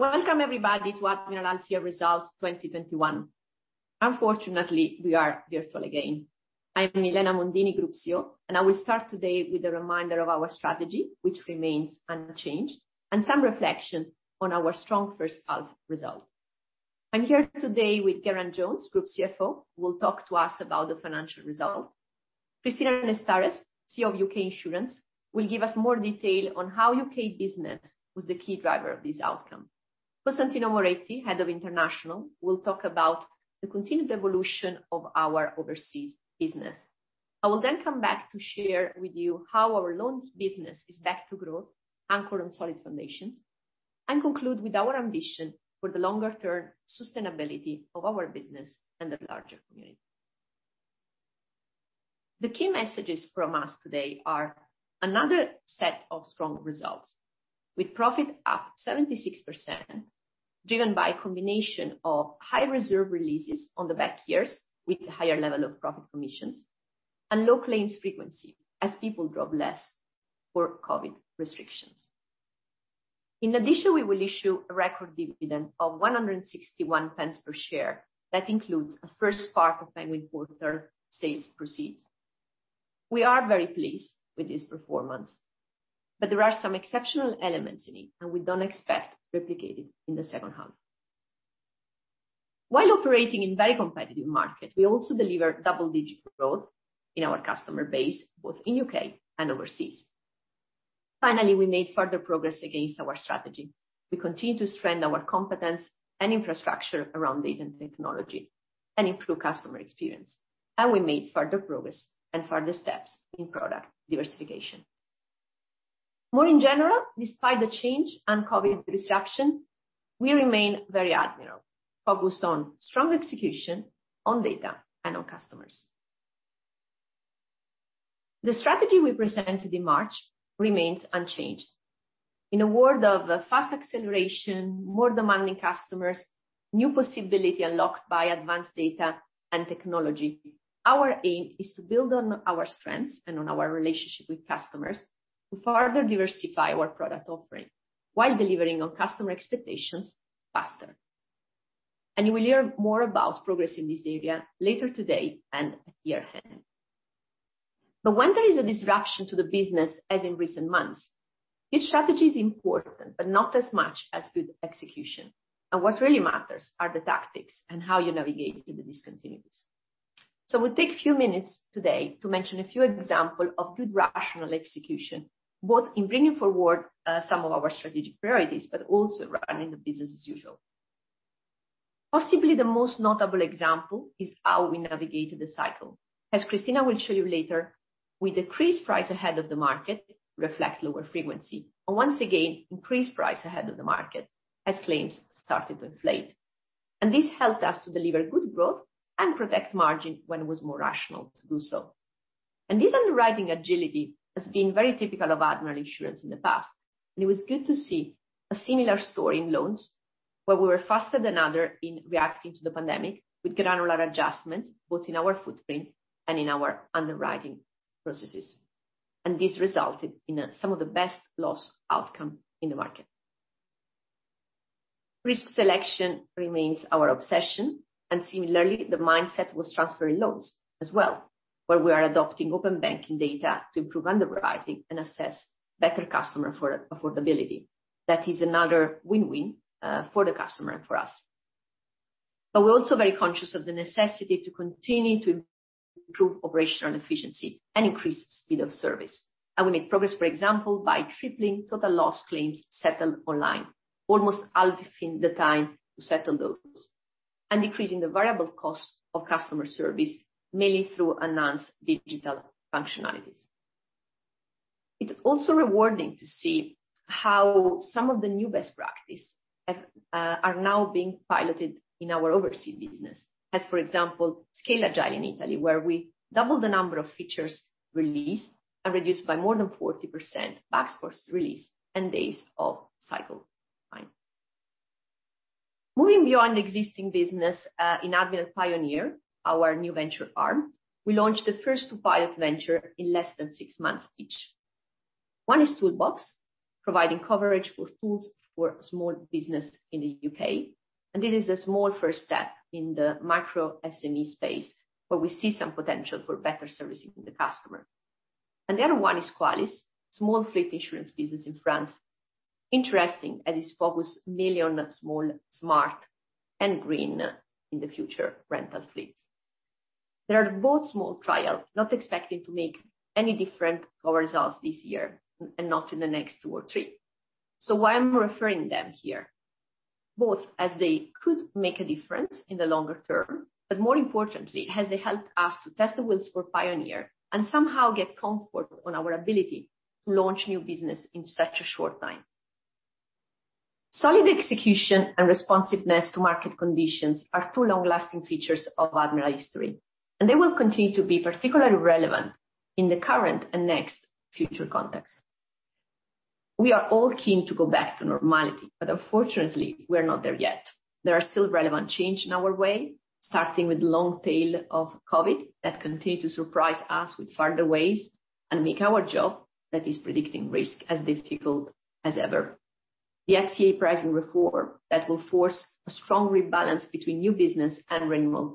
Welcome everybody to Admiral half Year results 2021. Unfortunately, we are virtual again. I am Milena Mondini de Focatiis. I will start today with a reminder of our strategy, which remains unchanged, and some reflection on our strong first half results. I am here today with Geraint Jones, Group CFO, who will talk to us about the financial results. Cristina Nestares, CEO of UK Insurance, will give us more detail on how UK business was the key driver of this outcome. Costantino Moretti, Head of International, will talk about the continued evolution of our overseas business. I will come back to share with you how our loans business is back to growth, anchored on solid foundations, and conclude with our ambition for the longer term sustainability of our business and the larger community. The key messages from us today are another set of strong results, with profit up 76%, driven by a combination of high reserve releases on the back years with higher level of profit commissions and low claims frequency as people drove less for COVID restrictions. We will issue a record dividend of 1.61 per share. That includes a first part of Penguin Portals sales proceeds. We are very pleased with this performance, there are some exceptional elements in it, we don't expect replicated in the second half. While operating in very competitive market, we also deliver double-digit growth in our customer base, both in U.K. and overseas. We made further progress against our strategy. We continue to strengthen our competence and infrastructure around data technology and improve customer experience. We made further progress and further steps in product diversification. More in general, despite the change and COVID disruption, we remain very Admiral, focused on strong execution, on data, and on customers. The strategy we presented in March remains unchanged. In a world of fast acceleration, more demanding customers, new possibility unlocked by advanced data and technology, our aim is to build on our strengths and on our relationship with customers to further diversify our product offering while delivering on customer expectations faster. You will hear more about progress in this area later today and at year end. When there is a disruption to the business, as in recent months, each strategy is important, but not as much as good execution. What really matters are the tactics and how you navigate through the discontinuities. We'll take few minutes today to mention a few example of good rational execution, both in bringing forward some of our strategic priorities, but also running the business as usual. Possibly the most notable example is how we navigated the cycle. As Cristina will show you later, we decreased price ahead of the market, reflect lower frequency, once again, increased price ahead of the market as claims started to inflate. This helped us to deliver good growth and protect margin when it was more rational to do so. This underwriting agility has been very typical of Admiral insurance in the past, and it was good to see a similar story in loans where we were faster than other in reacting to the pandemic with granular adjustments both in our footprint and in our underwriting processes. This resulted in some of the best loss outcome in the market. Risk selection remains our obsession, and similarly, the mindset was transferring loans as well, where we are adopting open banking data to improve underwriting and assess better customer for affordability. That is another win-win for the customer and for us. We're also very conscious of the necessity to continue to improve operational efficiency and increase speed of service. We make progress, for example, by tripling total loss claims settled online, almost halving the time to settle those, and decreasing the variable cost of customer service, mainly through enhanced digital functionalities. It's also rewarding to see how some of the new best practices are now being piloted in our overseas business. For example, scale agile in Italy, where we double the number of features released and reduced by more than 40% backlog release and days of cycle time. Moving beyond existing business in Admiral Pioneer, our new venture arm, we launched the first two pilot venture in less than six months each. One is Toolbox, providing coverage for tools for small business in the U.K., this is a small first step in the micro-SME space where we see some potential for better servicing the customer. The other one is Koalys, small fleet insurance business in France. Interesting as it's focused mainly on small, smart, and green in the future rental fleets. They are both small trials, not expecting to make any different to our results this year, not in the next two or three. Why I'm referring them here, both as they could make a difference in the longer-term, but more importantly, as they helped us to test the waters for Admiral Pioneer and somehow get comfort on our ability to launch new business in such a short time. Solid execution and responsiveness to market conditions are two long-lasting features of Admiral history, and they will continue to be particularly relevant in the current and next future context. We are all keen to go back to normality, but unfortunately, we are not there yet. There are still relevant changes in our way, starting with long tail of COVID that continue to surprise us with further waves and make our job, that is predicting risk, as difficult as ever. The FCA pricing reform that will force a strong rebalance between new business and renewal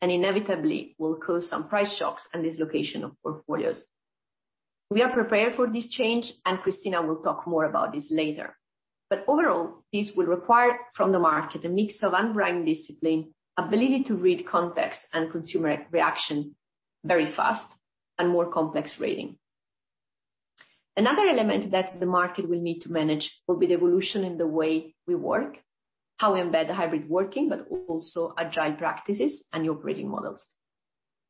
prices, inevitably will cause some price shocks and dislocation of portfolios. We are prepared for this change, Cristina will talk more about this later. Overall, this will require from the market a mix of underwriting discipline, ability to read context and consumer reaction very fast, and more complex rating. Another element that the market will need to manage will be the evolution in the way we work, how we embed hybrid working, but also agile practices and new operating models.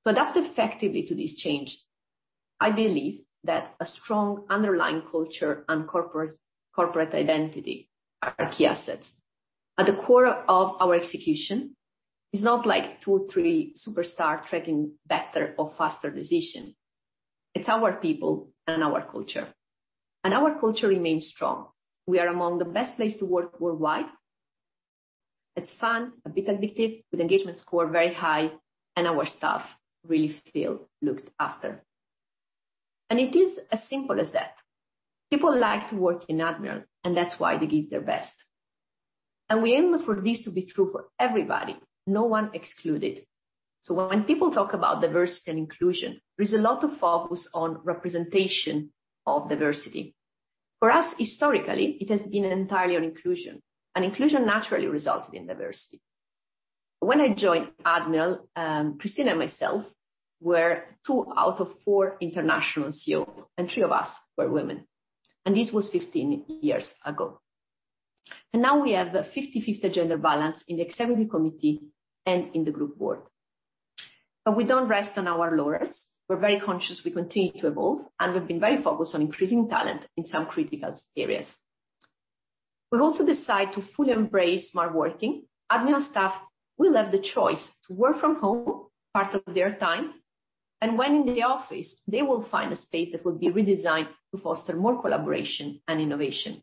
To adapt effectively to this change, I believe that a strong underlying culture and corporate identity are key assets. At the core of our execution is not two or three superstar tracking better or faster decisions. It's our people and our culture. Our culture remains strong. We are among the best places to work worldwide. It's fun, a bit addictive, with engagement score very high, and our staff really feel looked after. It is as simple as that. People like to work in Admiral, and that's why they give their best. We aim for this to be true for everybody, no one excluded. When people talk about diversity and inclusion, there is a lot of focus on representation of diversity. For us, historically, it has been entirely on inclusion. Inclusion naturally resulted in diversity. When I joined Admiral, Cristina and myself were two out of four international CEOs, and 3 of us were women. This was 15 years ago. Now we have a 50/50 gender balance in the executive committee and in the group board. We don't rest on our laurels. We're very conscious we continue to evolve, and we've been very focused on increasing talent in some critical areas. We also decide to fully embrace smart working. Admiral staff will have the choice to work from home part of their time, and when in the office, they will find a space that will be redesigned to foster more collaboration and innovation.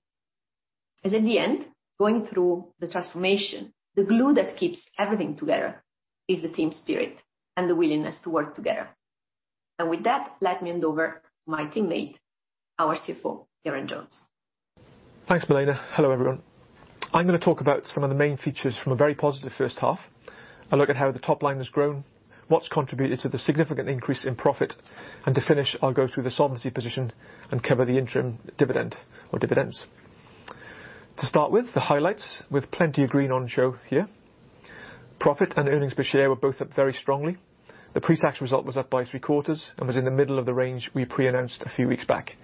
As at the end, going through the transformation, the glue that keeps everything together is the team spirit and the willingness to work together. With that, let me hand over my teammate, our CFO, Geraint Jones. Thanks, Milena. Hello, everyone. I'm going to talk about some of the main features from a very positive first half and look at how the top line has grown, what's contributed to the significant increase in profit, and to finish, I'll go through the solvency position and cover the interim dividend or dividends. To start with, the highlights, with plenty of green on show here. Profit and earnings per share were both up very strongly. The pre-tax result was up by three quarters and was in the middle of the range we pre-announced a few weeks back.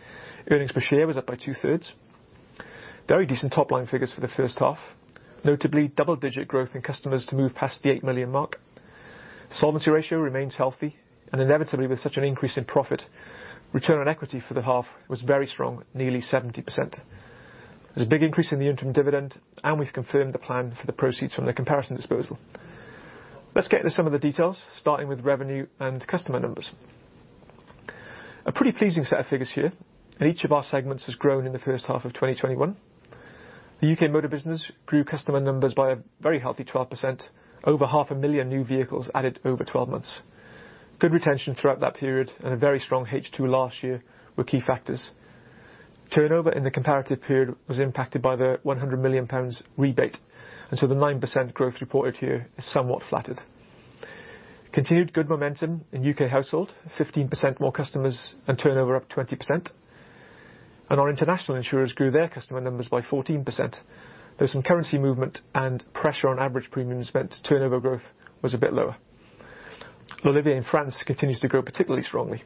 Earnings per share was up by two-thirds. Very decent top-line figures for the first half. Notably, double-digit growth in customers to move past the 8 million mark. Solvency ratio remains healthy, and inevitably, with such an increase in profit, return on equity for the half was very strong, nearly 70%. There's a big increase in the interim dividend, we've confirmed the plan for the proceeds from the comparison disposal. Let's get into some of the details, starting with revenue and customer numbers. A pretty pleasing set of figures here. Each of our segments has grown in the first half of 2021. The UK Motor business grew customer numbers by a very healthy 12%, over half a million new vehicles added over 12 months. Good retention throughout that period and a very strong H2 last year were key factors. Turnover in the comparative period was impacted by the 100 million pounds rebate, the 9% growth reported here is somewhat flattered. Continued good momentum in UK Household, 15% more customers and turnover up to 20%. Our international insurers grew their customer numbers by 14%. There was some currency movement and pressure on average premium spent, turnover growth was a bit lower. L'Olivier in France continues to grow particularly strongly.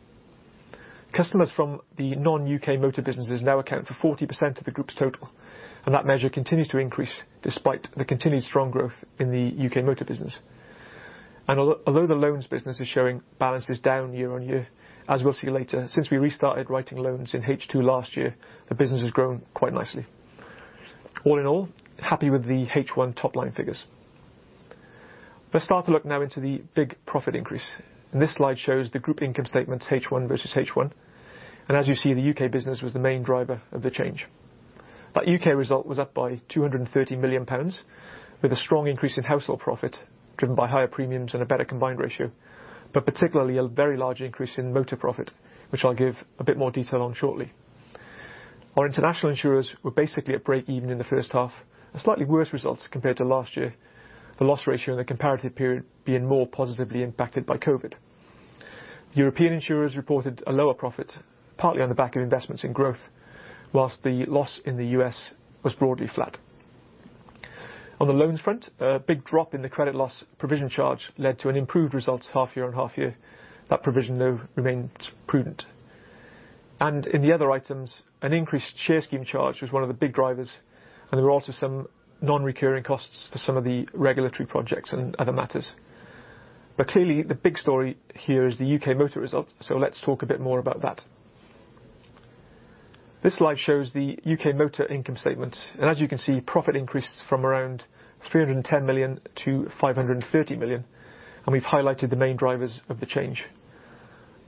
Customers from the non-UK motor businesses now account for 40% of the group's total, that measure continues to increase despite the continued strong growth in the UK Motor business. Although the loans business is showing balances down year-on-year, as we'll see later, since we restarted writing loans in H2 last year, the business has grown quite nicely. All in all, happy with the H1 top-line figures. Let's start to look now into the big profit increase, this slide shows the group income statements H1 versus H1. As you see, the UK business was the main driver of the change. That U.K. result was up by 230 million pounds with a strong increase in UK Household profit, driven by higher premiums and a better combined ratio, but particularly a very large increase in UK Motor profit, which I'll give a bit more detail on shortly. Our international insurers were basically at break even in the first half. A slightly worse results compared to last year. The loss ratio in the comparative period being more positively impacted by COVID. European insurers reported a lower profit, partly on the back of investments in growth, whilst the loss in the U.S. was broadly flat. On the loans front, a big drop in the credit loss provision charge led to an improved result this half year on half year. That provision, though, remained prudent. In the other items, an increased share scheme charge was one of the big drivers, and there were also some non-recurring costs for some of the regulatory projects and other matters. Clearly, the big story here is the UK Motor results, so let's talk a bit more about that. This slide shows the UK Motor income statement. As you can see, profit increased from around 310 million to 530 million, and we've highlighted the main drivers of the change.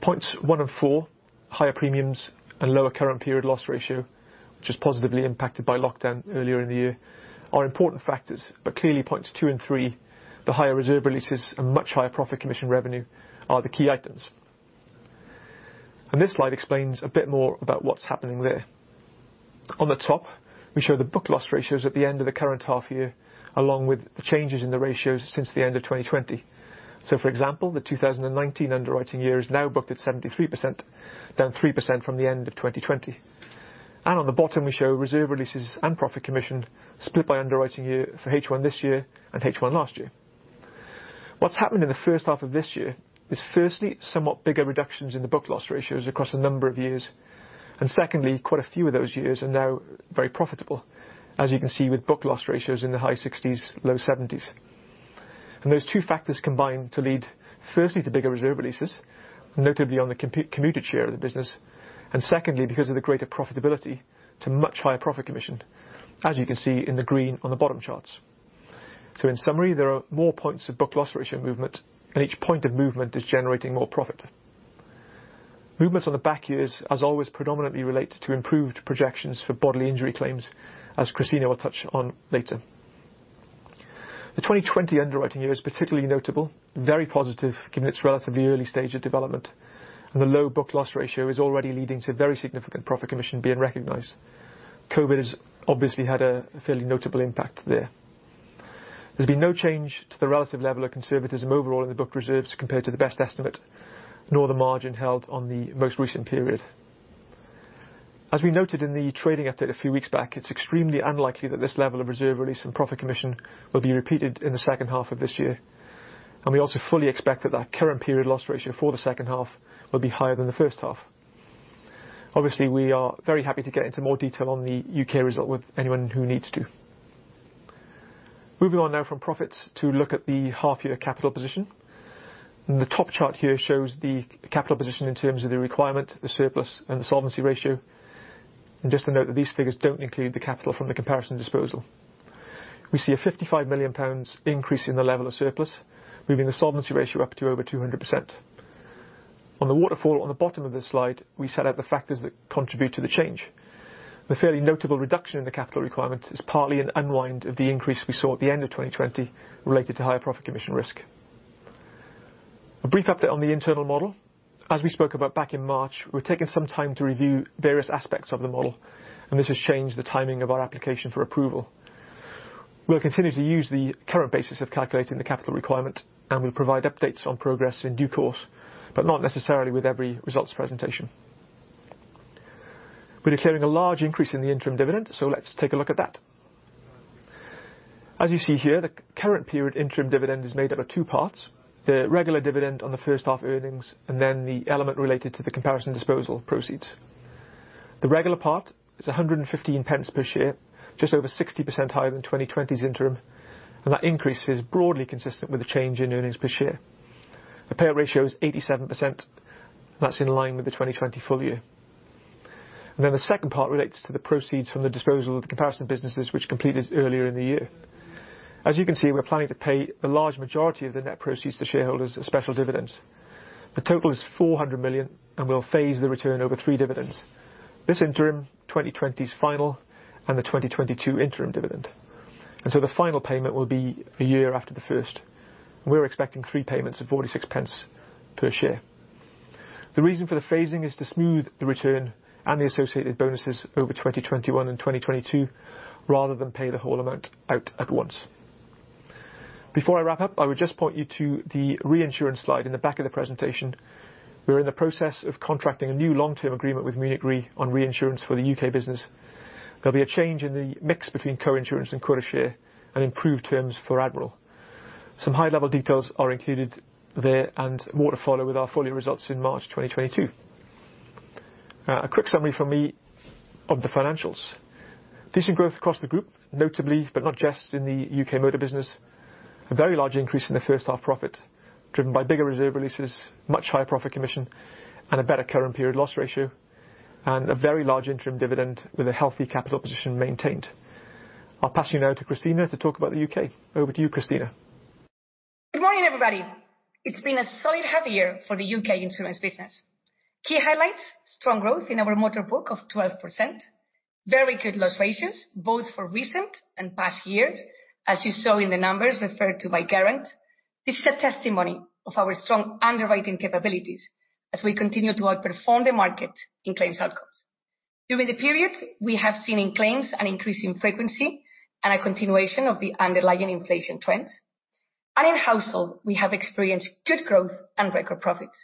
Points 1 and 4, higher premiums and lower current period loss ratio, which is positively impacted by lockdown earlier in the year, are important factors. Clearly points 2 and 3, the higher reserve releases and much higher profit commission revenue are the key items. This slide explains a bit more about what's happening there. On the top, we show the book loss ratios at the end of the current half year, along with the changes in the ratios since the end of 2020. For example, the 2019 underwriting year is now booked at 73%, down 3% from the end of 2020. On the bottom we show reserve releases and profit commission split by underwriting year for H1 this year and H1 last year. What's happened in the first half of this year is firstly, somewhat bigger reductions in the book loss ratios across a number of years. Secondly, quite a few of those years are now very profitable, as you can see with book loss ratios in the high 60s, low 70s. Those two factors combine to lead, firstly to bigger reserve releases, notably on the commuted share of the business, and secondly, because of the greater profitability to much higher profit commission, as you can see in the green on the bottom charts. In summary, there are more points of book-loss ratio movement, and each point of movement is generating more profit. Movements on the back years as always predominantly relate to improved projections for bodily injury claims, as Cristina will touch on later. The 2020 underwriting year is particularly notable, very positive given its relatively early stage of development, and the low book-loss ratio is already leading to very significant profit commission being recognized. COVID has obviously had a fairly notable impact there. There's been no change to the relative level of conservatism overall in the book reserves compared to the best estimate, nor the margin held on the most recent period. As we noted in the trading update a few weeks back, it's extremely unlikely that this level of reserve release and profit commission will be repeated in the second half of this year. We also fully expect that current period loss ratio for the second half will be higher than the first half. Obviously, we are very happy to get into more detail on the U.K. result with anyone who needs to. Moving on now from profits to look at the half year capital position. The top chart here shows the capital position in terms of the requirement, the surplus, and the solvency ratio. Just to note that these figures don't include the capital from the Penguin Portals disposal. We see a 55 million pounds increase in the level of surplus, moving the solvency ratio up to over 200%. On the waterfall on the bottom of this slide, we set out the factors that contribute to the change. The fairly notable reduction in the capital requirement is partly an unwind of the increase we saw at the end of 2020 related to higher profit commission risk. A brief update on the internal model. As we spoke about back in March, we're taking some time to review various aspects of the model, and this has changed the timing of our application for approval. We'll continue to use the current basis of calculating the capital requirement, and we provide updates on progress in due course, but not necessarily with every results presentation. We're declaring a large increase in the interim dividend, so let's take a look at that. As you see here, the current period interim dividend is made up of two parts, the regular dividend on the first half earnings, and then the element related to the comparison disposal proceeds. The regular part is 1.15 per share, just over 60% higher than 2020's interim, and that increase is broadly consistent with the change in earnings per share. The payout ratio is 87%, and that's in line with the 2020 full year. The second part relates to the proceeds from the disposal of the comparison businesses, which completed earlier in the year. As you can see, we're planning to pay the large majority of the net proceeds to shareholders as special dividends. The total is 400 million, and we'll phase the return over three dividends. This interim, 2020's final, and the 2022 interim dividend. The final payment will be a year after the first. We're expecting three payments of 0.46 per share. The reason for the phasing is to smooth the return and the associated bonuses over 2021 and 2022, rather than pay the whole amount out at once. Before I wrap up, I would just point you to the reinsurance slide in the back of the presentation. We are in the process of contracting a new long-term agreement with Munich Re on reinsurance for the UK business. There'll be a change in the mix between co-insurance and quota share and improved terms for Admiral. Some high-level details are included there and more to follow with our full year results in March 2022. A quick summary from me of the financials. Decent growth across the group, notably, but not just in the UK Motor business. A very large increase in the first half profit, driven by bigger reserve releases, much higher profit commission, and a better current period loss ratio, and a very large interim dividend with a healthy capital position maintained. I'll pass you now to Cristina to talk about the U.K. Over to you, Cristina. Good morning, everybody. It's been a solid half year for the UK Insurance business. Key highlights, strong growth in our motor book of 12%. Very good loss ratios, both for recent and past years, as you saw in the numbers referred to by Geraint. This is a testimony of our strong underwriting capabilities as we continue to outperform the market in claims outcomes. During the period, we have seen in claims an increase in frequency and a continuation of the underlying inflation trends. In household, we have experienced good growth and record profits.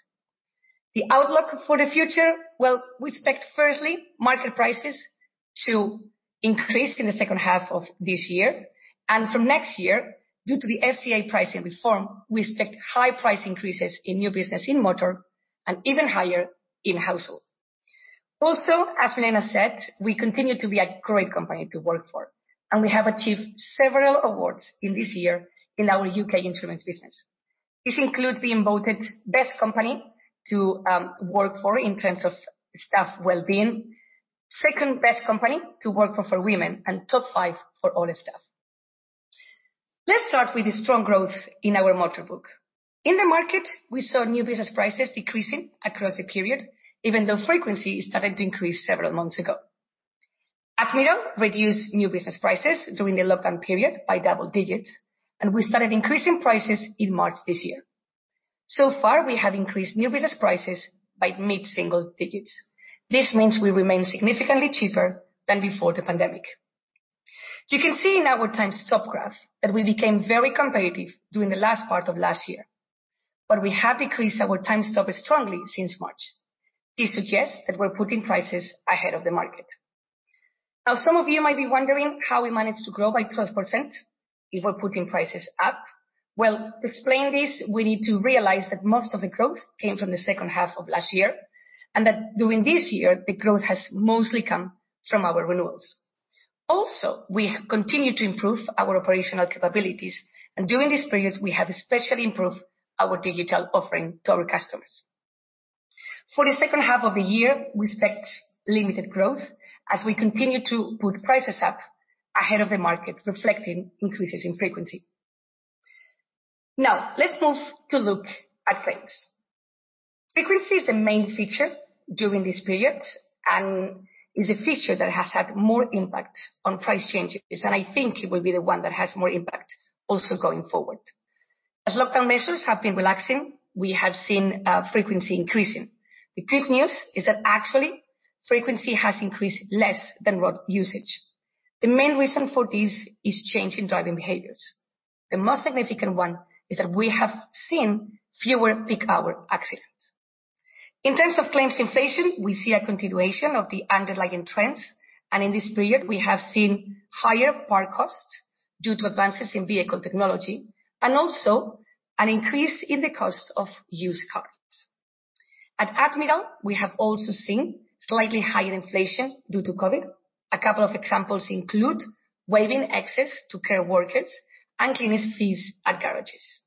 The outlook for the future, well, we expect firstly market prices to increase in the second half of this year. From next year, due to the FCA pricing reform, we expect high price increases in new business in motor and even higher in household. As Milena said, we continue to be a great company to work for. We have achieved several awards this year in our UK Insurance business. This includes being voted best company to work for in terms of staff well-being, second-best company to work for women, top five for all staff. Let's start with the strong growth in our motor book. In the market, we saw new business prices decreasing across the period, even though frequency started to increase several months ago. Admiral reduced new business prices during the lockdown period by double digits. We started increasing prices in March this year. So far, we have increased new business prices by mid-single digits. This means we remain significantly cheaper than before the pandemic. You can see in our Times Top graph that we became very competitive during the last part of last year. We have decreased our Times Top strongly since March. This suggests that we're putting prices ahead of the market. Some of you might be wondering how we managed to grow by 12% if we're putting prices up. Well, to explain this, we need to realize that most of the growth came from the second half of last year. During this year, the growth has mostly come from our renewals. We continue to improve our operational capabilities. During this period, we have especially improved our digital offering to our customers. For the second half of the year, we expect limited growth as we continue to put prices up ahead of the market, reflecting increases in frequency. Let's move to look at claims. Frequency is the main feature during this period and is a feature that has had more impact on price changes, and I think it will be the one that has more impact also going forward. As lockdown measures have been relaxing, we have seen frequency increasing. The good news is that actually, frequency has increased less than raw usage. The main reason for this is change in driving behaviors. The most significant one is that we have seen fewer peak-hour accidents. In terms of claims inflation, we see a continuation of the underlying trends, and in this period, we have seen higher part costs due to advances in vehicle technology, and also an increase in the cost of used cars. At Admiral, we have also seen slightly higher inflation due to COVID. A couple of examples include waiving access to care workers and cleaning fees at garages.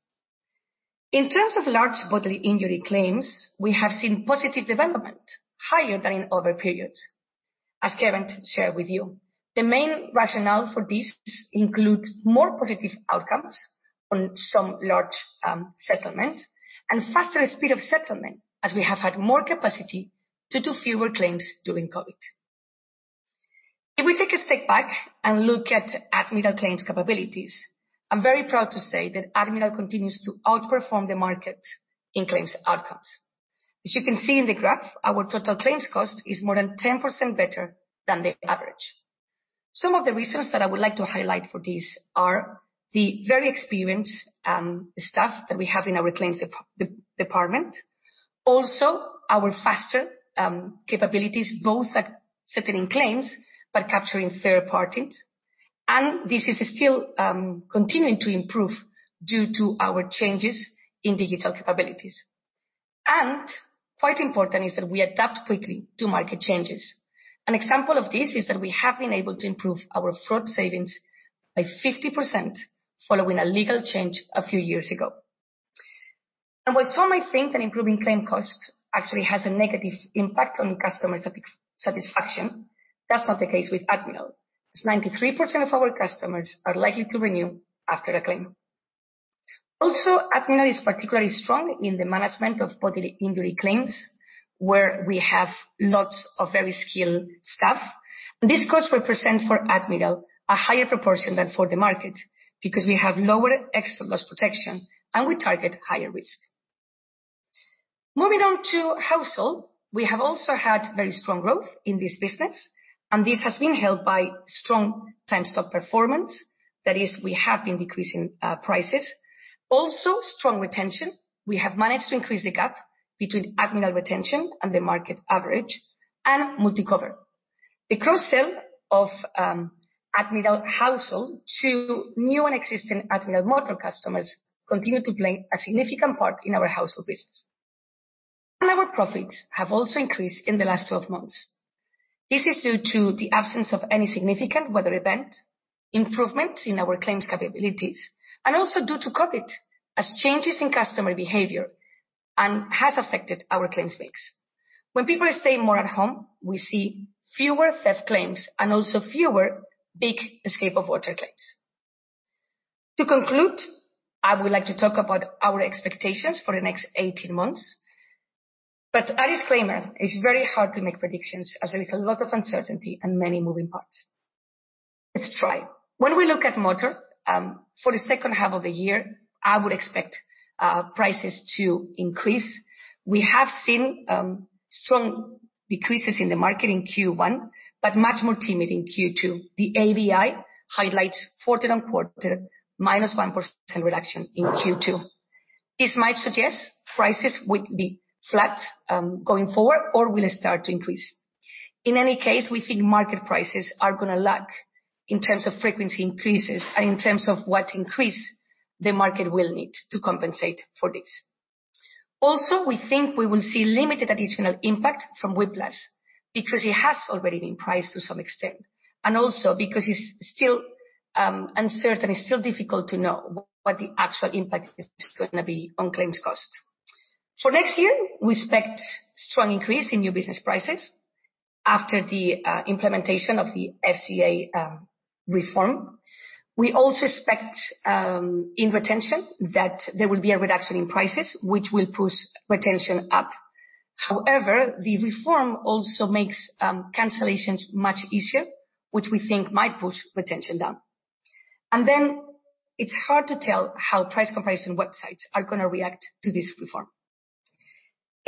In terms of large bodily injury claims, we have seen positive development higher than in other periods. As Geraint Jones shared with you, the main rationale for this includes more positive outcomes on some large settlements and faster speed of settlement, as we have had more capacity due to fewer claims during COVID. If we take a step back and look at Admiral claims capabilities, I'm very proud to say that Admiral continues to outperform the market in claims outcomes. As you can see in the graph, our total claims cost is more than 10% better than the average. Some of the reasons that I would like to highlight for this are the very experienced staff that we have in our claims department. Also, our faster capabilities, both at settling claims by capturing third parties. This is still continuing to improve due to our changes in digital capabilities. Quite important is that we adapt quickly to market changes. An example of this is that we have been able to improve our fraud savings by 50% following a legal change a few years ago. While some might think that improving claim costs actually has a negative impact on customer satisfaction, that's not the case with Admiral. Because 93% of our customers are likely to renew after a claim. Admiral is particularly strong in the management of bodily injury claims, where we have lots of very skilled staff. These costs represent for Admiral a higher proportion than for the market because we have lower excess loss protection and we target higher risk. Moving on to household. We have also had very strong growth in this business, and this has been helped by strong Timestop performance. That is, we have been decreasing prices. Strong retention. We have managed to increase the gap between Admiral retention and the market average and MultiCover. The cross-sell of UK Household to new and existing UK Motor customers continue to play a significant part in our household business. Our profits have also increased in the last 12 months. This is due to the absence of any significant weather event, improvements in our claims capabilities, and also due to COVID as changes in customer behavior and has affected our claims mix. When people stay more at home, we see fewer theft claims and also fewer big escape of water claims. To conclude, I would like to talk about our expectations for the next 18 months. A disclaimer, it's very hard to make predictions as there is a lot of uncertainty and many moving parts. Let's try. When we look at motor, for the second half of the year, I would expect prices to increase. We have seen strong decreases in the market in Q1 but much more timid in Q2. The ABI highlights quarter-on-quarter -1% reduction in Q2. This might suggest prices will be flat going forward or will start to increase. In any case, we think market prices are going to lag in terms of frequency increases and in terms of what increase the market will need to compensate for this. Also, we think we will see limited additional impact from Whiplash because it has already been priced to some extent and also because it's still uncertain. It's still difficult to know what the actual impact is going to be on claims cost. For next year, we expect strong increase in new business prices after the implementation of the FCA reform. We also expect in retention that there will be a reduction in prices which will push retention up. However, the reform also makes cancellations much easier, which we think might push retention down. It's hard to tell how price comparison websites are going to react to this reform.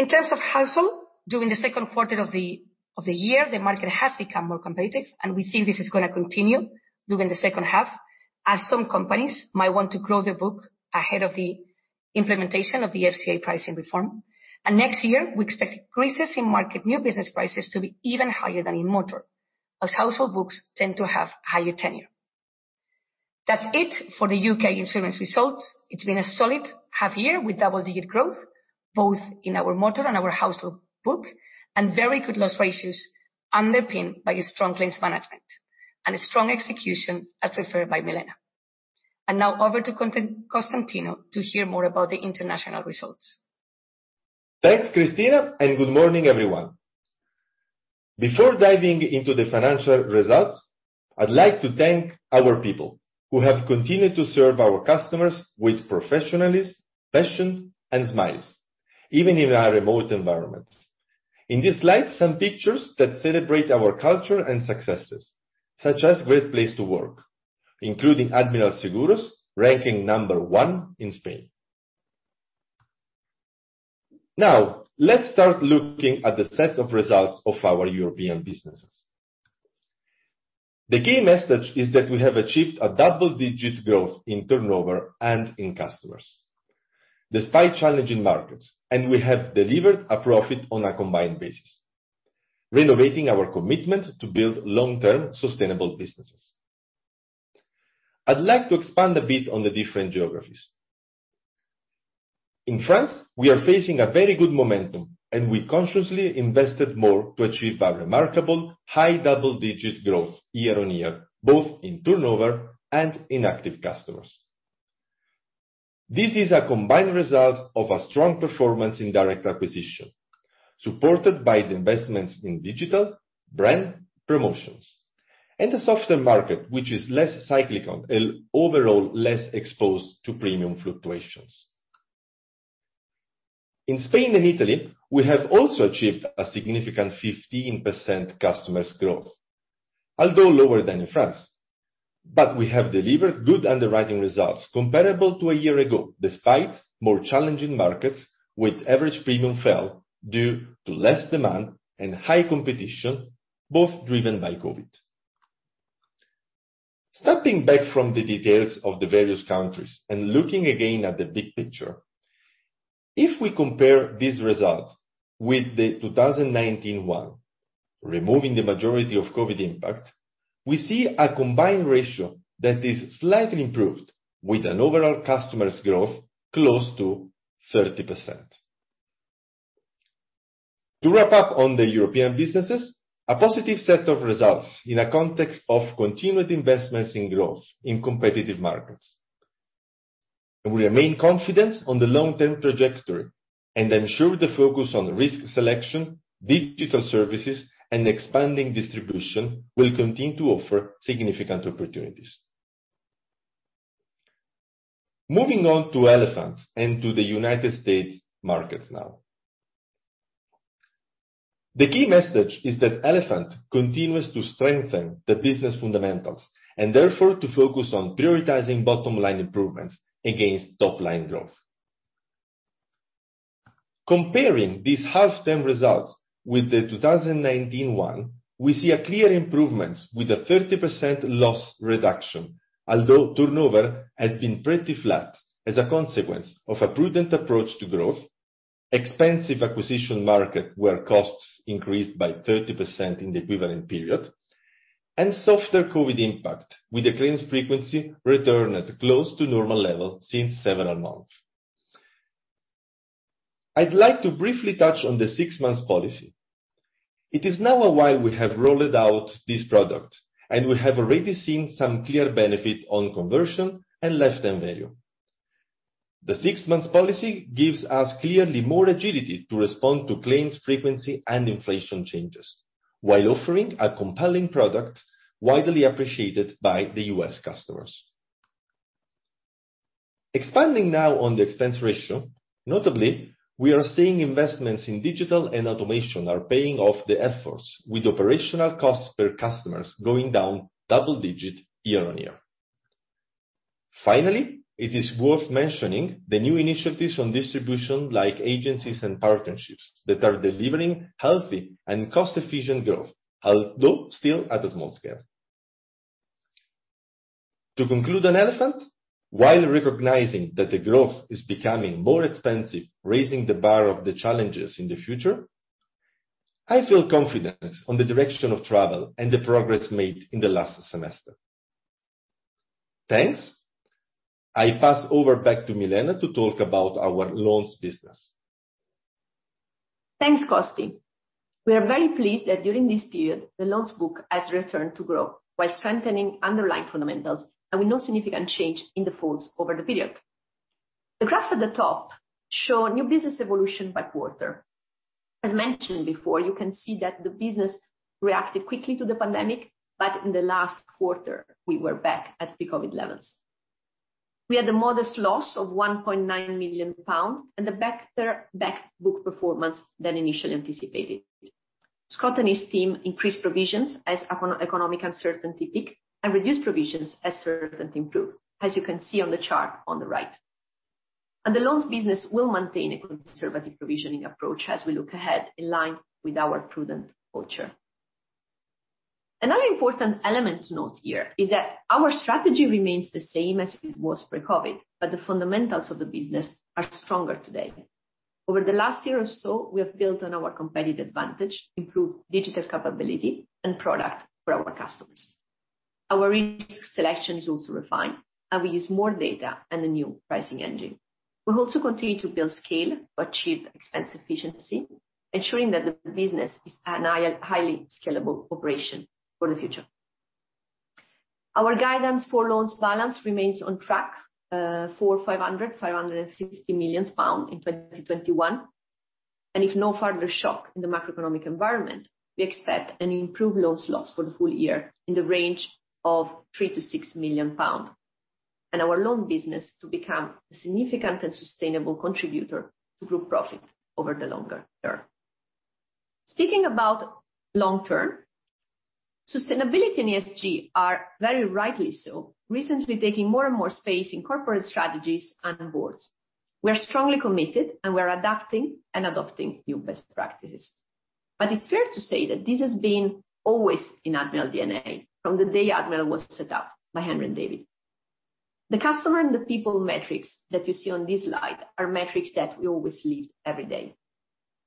In terms of UK Household, during the second quarter of the year, the market has become more competitive, and we think this is going to continue during the second half as some companies might want to grow their book ahead of the implementation of the FCA pricing reform. Next year, we expect increases in market new business prices to be even higher than in UK Motor, as UK Household books tend to have higher tenure. That's it for the UK Insurance results. It's been a solid half-year with double-digit growth, both in our motor and our household book, and very good loss ratios underpinned by a strong claims management and a strong execution, as referred by Milena. Now over to Costantino to hear more about the international results. Thanks, Cristina, and good morning, everyone. Before diving into the financial results, I'd like to thank our people who have continued to serve our customers with professionalism, passion, and smiles, even in a remote environment. In this slide, some pictures that celebrate our culture and successes, such as Great Place To Work, including Admiral Seguros, ranking number one in Spain. Let's start looking at the sets of results of our European businesses. The key message is that we have achieved a double-digit growth in turnover and in customers despite challenging markets, and we have delivered a profit on a combined basis, renovating our commitment to build long-term sustainable businesses. I'd like to expand a bit on the different geographies. In France, we are facing a very good momentum, and we consciously invested more to achieve a remarkable high double-digit growth year-on-year, both in turnover and in active customers. This is a combined result of a strong performance in direct acquisition, supported by the investments in digital, brand, promotions, and the softer market, which is less cyclical and overall less exposed to premium fluctuations. In Spain and Italy, we have also achieved a significant 15% customers growth, although lower than in France. We have delivered good underwriting results comparable to a year ago, despite more challenging markets with average premium fell due to less demand and high competition, both driven by COVID. Stepping back from the details of the various countries and looking again at the big picture, if we compare this result with the 2019 one, removing the majority of COVID impact, we see a combined ratio that is slightly improved with an overall customers growth close to 30%. To wrap up on the European businesses, a positive set of results in a context of continued investments in growth in competitive markets. We remain confident on the long-term trajectory, and I'm sure the focus on risk selection, digital services, and expanding distribution will continue to offer significant opportunities. Moving on to Elephant and to the U.S. markets now. The key message is that Elephant continues to strengthen the business fundamentals and therefore to focus on prioritizing bottom-line improvements against top-line growth. Comparing these half-term results with the 2019 one, we see a clear improvement with a 30% loss reduction. Although turnover has been pretty flat as a consequence of a prudent approach to growth, expensive acquisition market where costs increased by 30% in the equivalent period, and softer COVID impact with the claims frequency returned close to normal level since several months. I'd like to briefly touch on the six months policy. It is now a while we have rolled out this product. We have already seen some clear benefit on conversion and lifetime value. The six months policy gives us clearly more agility to respond to claims frequency and inflation changes while offering a compelling product widely appreciated by the U.S. customers. Expanding now on the expense ratio, notably, we are seeing investments in digital and automation are paying off the efforts with operational costs per customers going down double digit year-on-year. Finally, it is worth mentioning the new initiatives on distribution like agencies and partnerships that are delivering healthy and cost-efficient growth, although still at a small scale. To conclude on Elephant, while recognizing that the growth is becoming more expensive, raising the bar of the challenges in the future, I feel confident on the direction of travel and the progress made in the last semester. Thanks. I pass over back to Milena to talk about our loans business. Thanks, Costi. We are very pleased that during this period, the loans book has returned to growth while strengthening underlying fundamentals, and with no significant change in defaults over the period. The graph at the top show new business evolution by quarter. As mentioned before, you can see that the business reacted quickly to the pandemic, but in the last quarter, we were back at pre-COVID levels. We had a modest loss of 1.9 million pounds, and a better back book performance than initially anticipated. Scott and his team increased provisions as economic uncertainty peaked, and reduced provisions as certainty improved, as you can see on the chart on the right. The loans business will maintain a conservative provisioning approach as we look ahead in line with our prudent culture. Another important element to note here is that our strategy remains the same as it was pre-COVID, but the fundamentals of the business are stronger today. Over the last year or so, we have built on our competitive advantage, improved digital capability, and product for our customers. Our risk selection is also refined, and we use more data and a new pricing engine. We'll also continue to build scale to achieve expense efficiency, ensuring that the business is a highly scalable operation for the future. Our guidance for loans balance remains on track for 500 million-550 million pounds in 2021. If no further shock in the macroeconomic environment, we expect an improved loans loss for the full year in the range of 3 million-6 million pounds and our loan business to become a significant and sustainable contributor to group profit over the longer term. Speaking about long-term, sustainability and ESG are, very rightly so, recently taking more and more space in corporate strategies and boards. We are strongly committed, and we are adapting and adopting new best practices. It's fair to say that this has been always in Admiral's DNA from the day Admiral was set up by Hen and David. The customer and the people metrics that you see on this slide are metrics that we always live every day.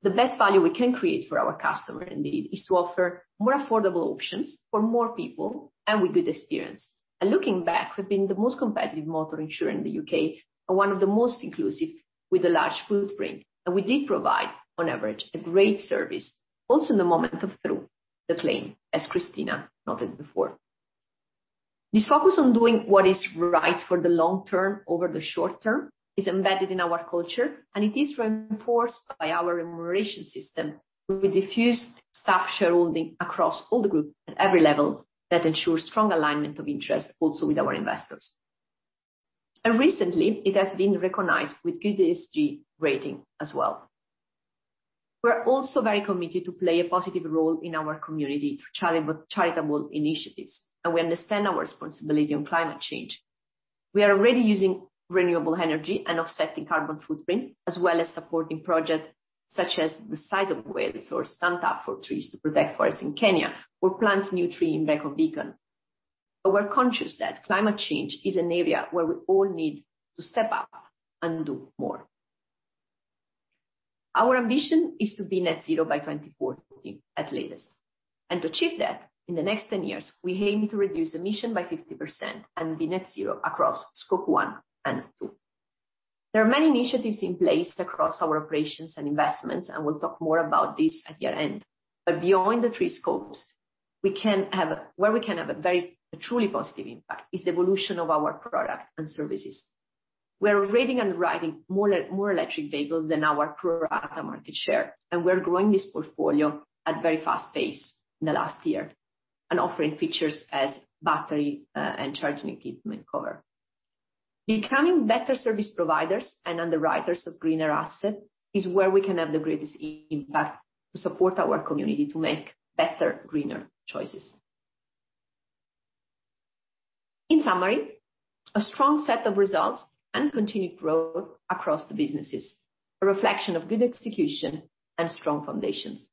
The best value we can create for our customer, indeed, is to offer more affordable options for more people and with good experience. Looking back, we've been the most competitive motor insurer in the U.K. and one of the most inclusive, with a large footprint. We did provide, on average, a great service, also in the moment of through the claim, as Cristina noted before. This focus on doing what is right for the long term over the short term is embedded in our culture, and it is reinforced by our remuneration system, with diffuse staff shareholding across all the group at every level that ensures strong alignment of interest also with our investors. Recently, it has been recognized with good ESG rating as well. We're also very committed to play a positive role in our community through charitable initiatives. We understand our responsibility on climate change. We are already using renewable energy and offsetting carbon footprint, as well as supporting projects such as the Size of Wales or Stand For Trees to protect forests in Kenya or plant new tree in Brecon Beacons. We're conscious that climate change is an area where we all need to step up and do more. Our ambition is to be net zero by 2040 at the latest. To achieve that, in the next ten years, we aim to reduce emission by 50% and be net zero across Scope 1 and 2. There are many initiatives in place across our operations and investments. We'll talk more about this at the end. Beyond the three scopes, where we can have a truly positive impact is the evolution of our product and services. We are rating and writing more electric vehicles than our pro rata market share, and we're growing this portfolio at very fast pace in the last year and offering features as battery and charging equipment cover. Becoming better service providers and underwriters of greener asset is where we can have the greatest impact to support our community to make better, greener choices. In summary, a strong set of results and continued growth across the businesses. A reflection of good execution and strong foundations,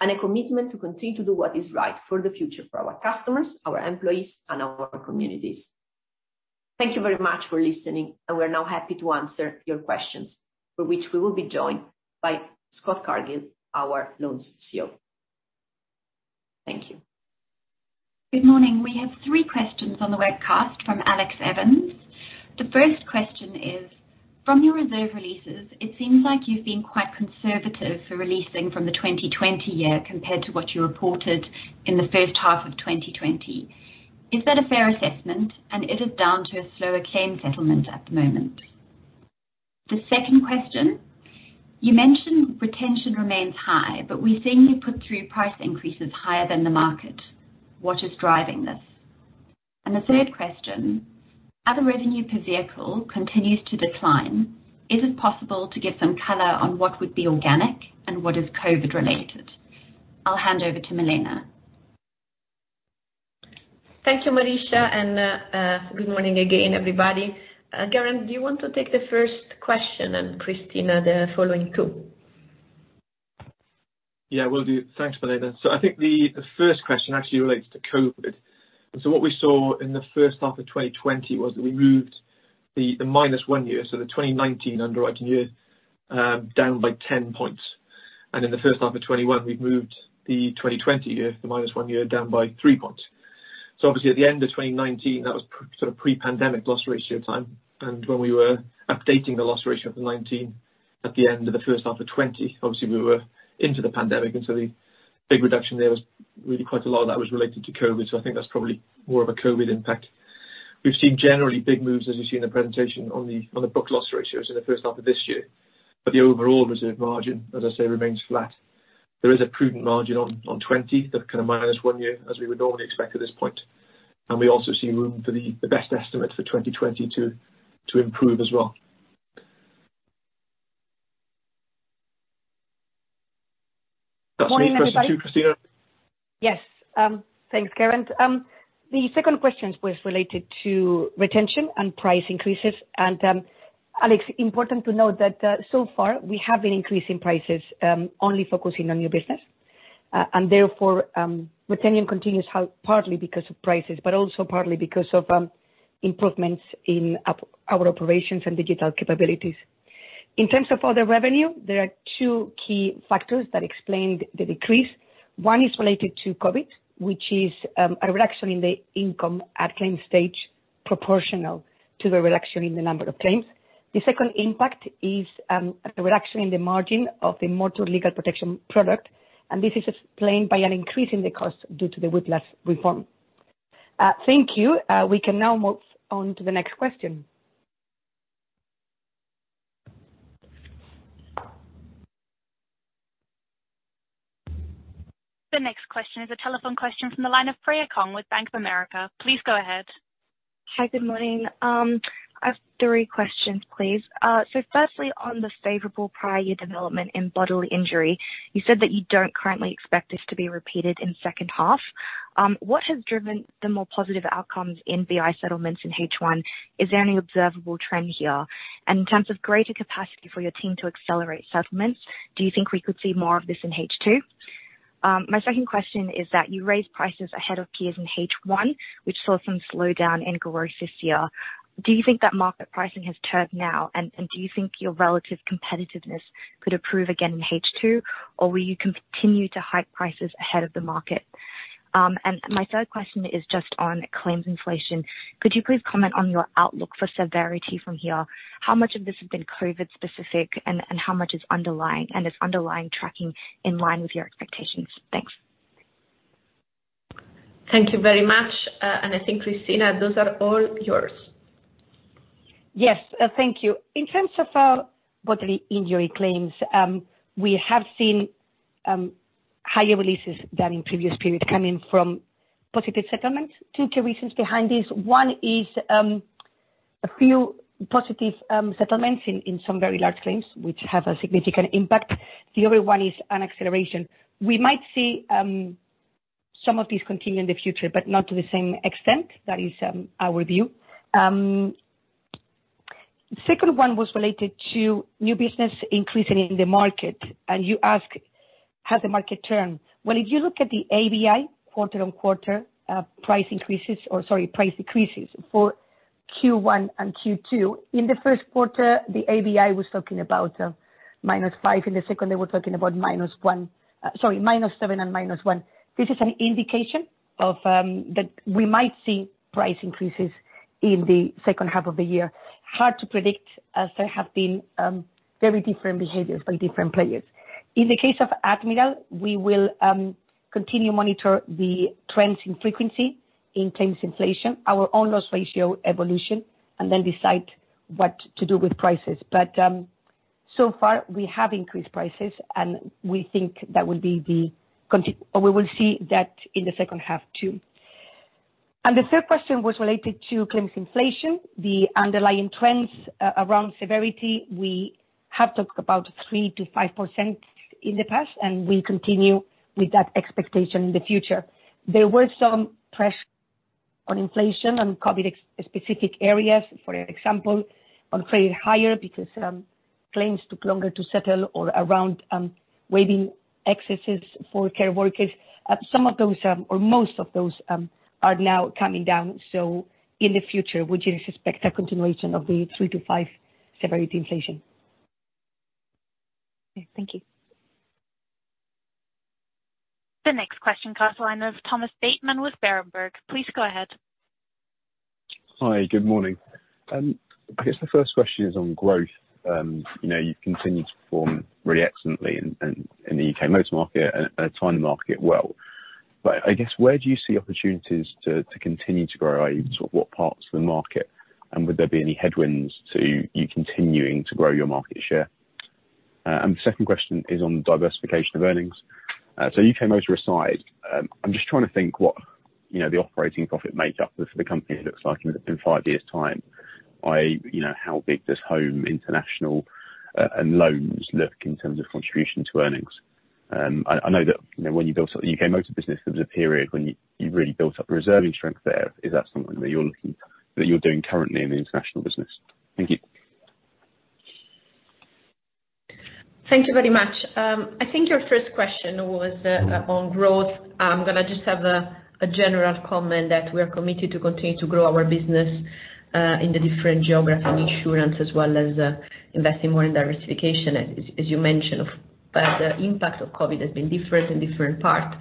and a commitment to continue to do what is right for the future for our customers, our employees, and our communities. Thank you very much for listening, and we're now happy to answer your questions for which we will be joined by Scott Cargill, our Loans CEO. Thank you. Good morning. We have 3 questions on the webcast from Alex Evans. The first question is, from your reserve releases, it seems like you've been quite conservative for releasing from the 2020 year compared to what you reported in the first half of 2020. Is that a fair assessment, and is it down to a slower claim settlement at the moment? The second question, you mentioned retention remains high, but we've seen you put through price increases higher than the market. What is driving this? The third question, as the revenue per vehicle continues to decline, is it possible to give some color on what would be organic and what is COVID related? I'll hand over to Milena. Thank you, Marisja. Good morning again, everybody. Geraint, do you want to take the first question and Cristina the following two? Yeah, will do. Thanks, Milena. I think the first question actually relates to COVID. What we saw in the first half of 2020 was that we moved the -1 year, so the 2019 underwriting year, down by 10 points. In the first half of 2021, we've moved the 2020 year, the -1 year, down by 3 points. Obviously at the end of 2019, that was pre-pandemic loss ratio time. When we were updating the loss ratio of the 2019 at the end of the first half of 2020, obviously we were into the pandemic. The big reduction there was really quite a lot of that was related to COVID. I think that's probably more of a COVID impact. We've seen generally big moves, as you see in the presentation, on the book loss ratios in the first half of this year. The overall reserve margin, as I say, remains flat. There is a prudent margin on 2020, that kind of -1 year as we would normally expect at this point. We also see room for the best estimate for 2022 to improve as well. That's me. Cristina too, Cristina. Yes. Thanks, Geraint. The second question was related to retention and price increases. Alex, important to note that so far we have been increasing prices, only focusing on new business. Therefore, retention continues partly because of prices, but also partly because of improvements in our operations and digital capabilities. In terms of other revenue, there are two key factors that explained the decrease. One is related to COVID, which is a reduction in the income at claim stage proportional to the reduction in the number of claims. The second impact is a reduction in the margin of the Motor Legal Protection product. This is explained by an increase in the cost due to the Whiplash reform. Thank you. We can now move on to the next question. The next question is a telephone question from the line of Freya Kong with Bank of America. Please go ahead. Hi, good morning. I have 3 questions, please. Firstly, on the favorable prior year development in bodily injury, you said that you don't currently expect this to be repeated in second half. What has driven the more positive outcomes in BI settlements in H1? Is there any observable trend here? In terms of greater capacity for your team to accelerate settlements, do you think we could see more of this in H2? My second question is that you raised prices ahead of peers in H1, which saw some slowdown in growth this year. Do you think that market pricing has turned now, and do you think your relative competitiveness could improve again in H2, or will you continue to hike prices ahead of the market? My third question is just on claims inflation. Could you please comment on your outlook for severity from here? How much of this has been COVID specific and how much is underlying, and is underlying tracking in line with your expectations? Thanks. Thank you very much. I think, Cristina, those are all yours. Yes. Thank you. In terms of our bodily injury claims, we have seen higher releases than in previous periods coming from positive settlements. two key reasons behind this. One is a few positive settlements in some very large claims, which have a significant impact. The other one is an acceleration. We might see some of these continue in the future, but not to the same extent. That is our view. Second one was related to new business increasing in the market. You ask, has the market turned? Well, if you look at the ABI quarter-on-quarter price increases or sorry, price decreases for Q1 and Q2. In the 1st quarter, the ABI was talking about -5. In the second, they were talking about -1. Sorry, -7 and -1. This is an indication that we might see price increases in the second half of the year. Hard to predict as there have been very different behaviors by different players. In the case of Admiral, we will continue to monitor the trends in frequency, in claims inflation, our own loss ratio evolution, and then decide what to do with prices. So far we have increased prices, and we think that will be or we will see that in the second half too. The third question was related to claims inflation, the underlying trends around severity. We have talked about 3%-5% in the past, and we continue with that expectation in the future. There were some pressure on inflation on COVID specific areas, for example, on trade hire because claims took longer to settle or around waiving excesses for care workers. Some of those or most of those are now coming down. In the future, we do suspect a continuation of the 3%-5% severity inflation. Thank you. The next question comes to line of Thomas Bateman with Berenberg. Please go ahead. Hi. Good morning. The first question is on growth. You've continued to perform really excellently in the UK motor market and the motor market well. Where do you see opportunities to continue to grow i.e., what parts of the market, and would there be any headwinds to you continuing to grow your market share? The second question is on diversification of earnings. UK motor aside, I'm just trying to think what the operating profit makeup for the company looks like in five` years' time. i.e., how big does home, international, and loans look in terms of contribution to earnings? I know that when you built up the UK Motor business, there was a period when you really built up reserving strength there. Is that something that you're doing currently in the international business? Thank you. Thank you very much. I think your first question was on growth. I'm going to just have a general comment that we are committed to continue to grow our business, in the different geography insurance as well as investing more in diversification, as you mentioned. The impact of COVID has been different in different parts,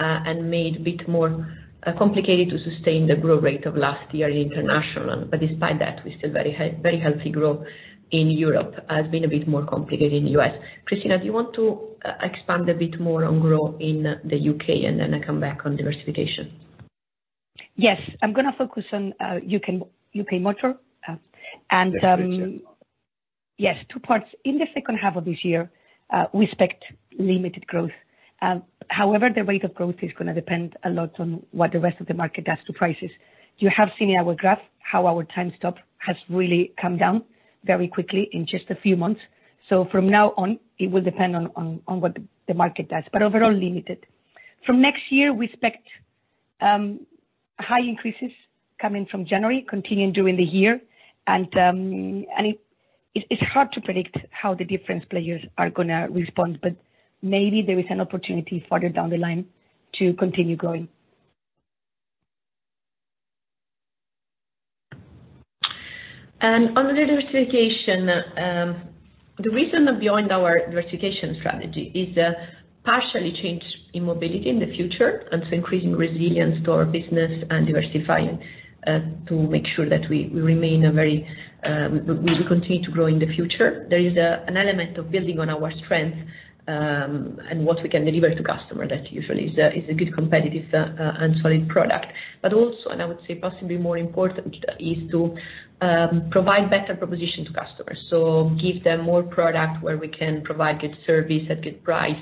and made a bit more complicated to sustain the growth rate of last year in international. Despite that, we're still very healthy growth in Europe, has been a bit more complicated in the U.S. Cristina, do you want to expand a bit more on growth in the U.K. and then I come back on diversification? Yes, I'm going to focus on UK Motor. Yes, please. Yes, two parts. In the second half of this year, we expect limited growth. The rate of growth is going to depend a lot on what the rest of the market does to prices. You have seen in our graph how our Timestop has really come down very quickly in just few months. From now on, it will depend on what the market does, but overall limited. From next year, we expect high increases coming from January, continuing during the year, and it's hard to predict how the different players are going to respond, but maybe there is an opportunity further down the line to continue growing. On the diversification, the reason behind our diversification strategy is partially change in mobility in the future, and so increasing resilience to our business and diversifying to make sure that we continue to grow in the future. There is an element of building on our strengths, and what we can deliver to customer that usually is a good competitive and solid product. Also, and I would say possibly more important, is to provide better proposition to customers. Give them more product where we can provide good service at good price,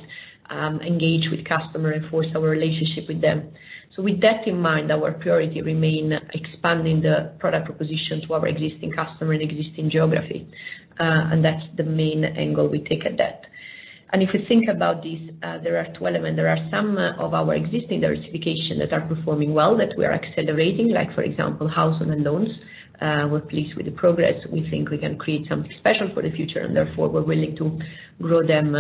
engage with customer, enforce our relationship with them. With that in mind, our priority remain expanding the product proposition to our existing customer and existing geography. That's the main angle we take at that. If you think about this, there are relevant, there are some of our existing diversification that are performing well, that we are accelerating, like for example, Household and loans. We're pleased with the progress. We think we can create something special for the future, and therefore, we're willing to grow them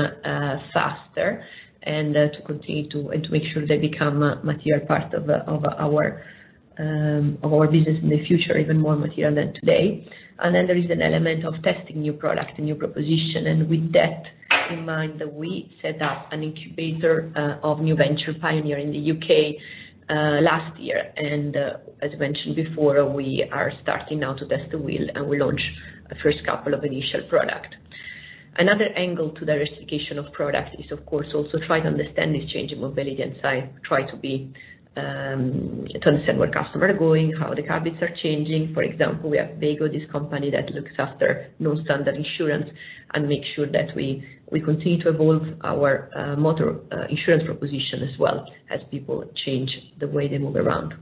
faster and to make sure they become a material part of our business in the future, even more material than today. Then there is an element of testing new product and new proposition. With that in mind, we set up an incubator of new venture Admiral Pioneer in the U.K. last year. As mentioned before, we are starting now to test the wheel, and we launch first couple of initial product. Another angle to diversification of product is, of course, also try to understand this change in mobility and try to understand where customer are going, how the habits are changing. For example, we have Veygo, this company that looks after non-standard insurance and make sure that we continue to evolve our motor insurance proposition as well as people change the way they move around.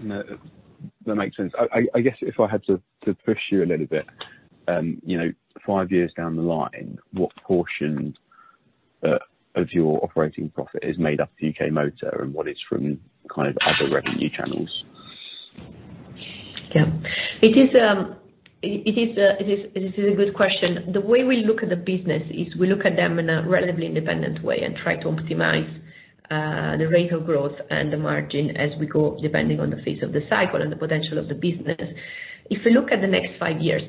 No, that makes sense. I guess if I had to push you a little bit, five years down the line, what portion of your operating profit is made up to UK Motor and what is from kind of other revenue channels? Yeah. It is a good question. The way we look at the business is we look at them in a relatively independent way and try to optimize the rate of growth and the margin as we go, depending on the phase of the cycle and the potential of the business. If we look at the next five years,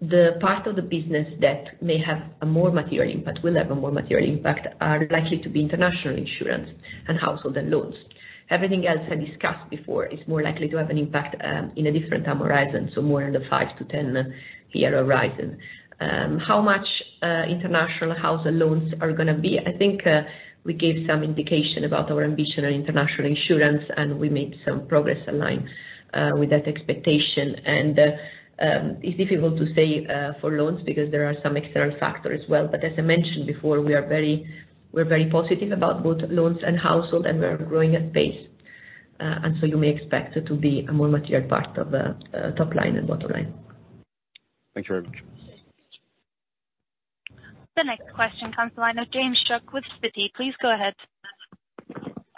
the part of the business that may have a more material impact, will have a more material impact, are likely to be International Insurance and Household and Loans. Everything else I discussed before is more likely to have an impact in a different time horizon, so more in the 5-10 year horizon. How much International Household and Loans are going to be? I think we gave some indication about our ambition on International Insurance, and we made some progress in line with that expectation. It's difficult to say for loans because there are some external factors as well. As I mentioned before, we're very positive about both loans and household, and we're growing at pace. You may expect it to be a more material part of top line and bottom line. Thank you very much. The next question comes the line of James Shuck with Citi. Please go ahead.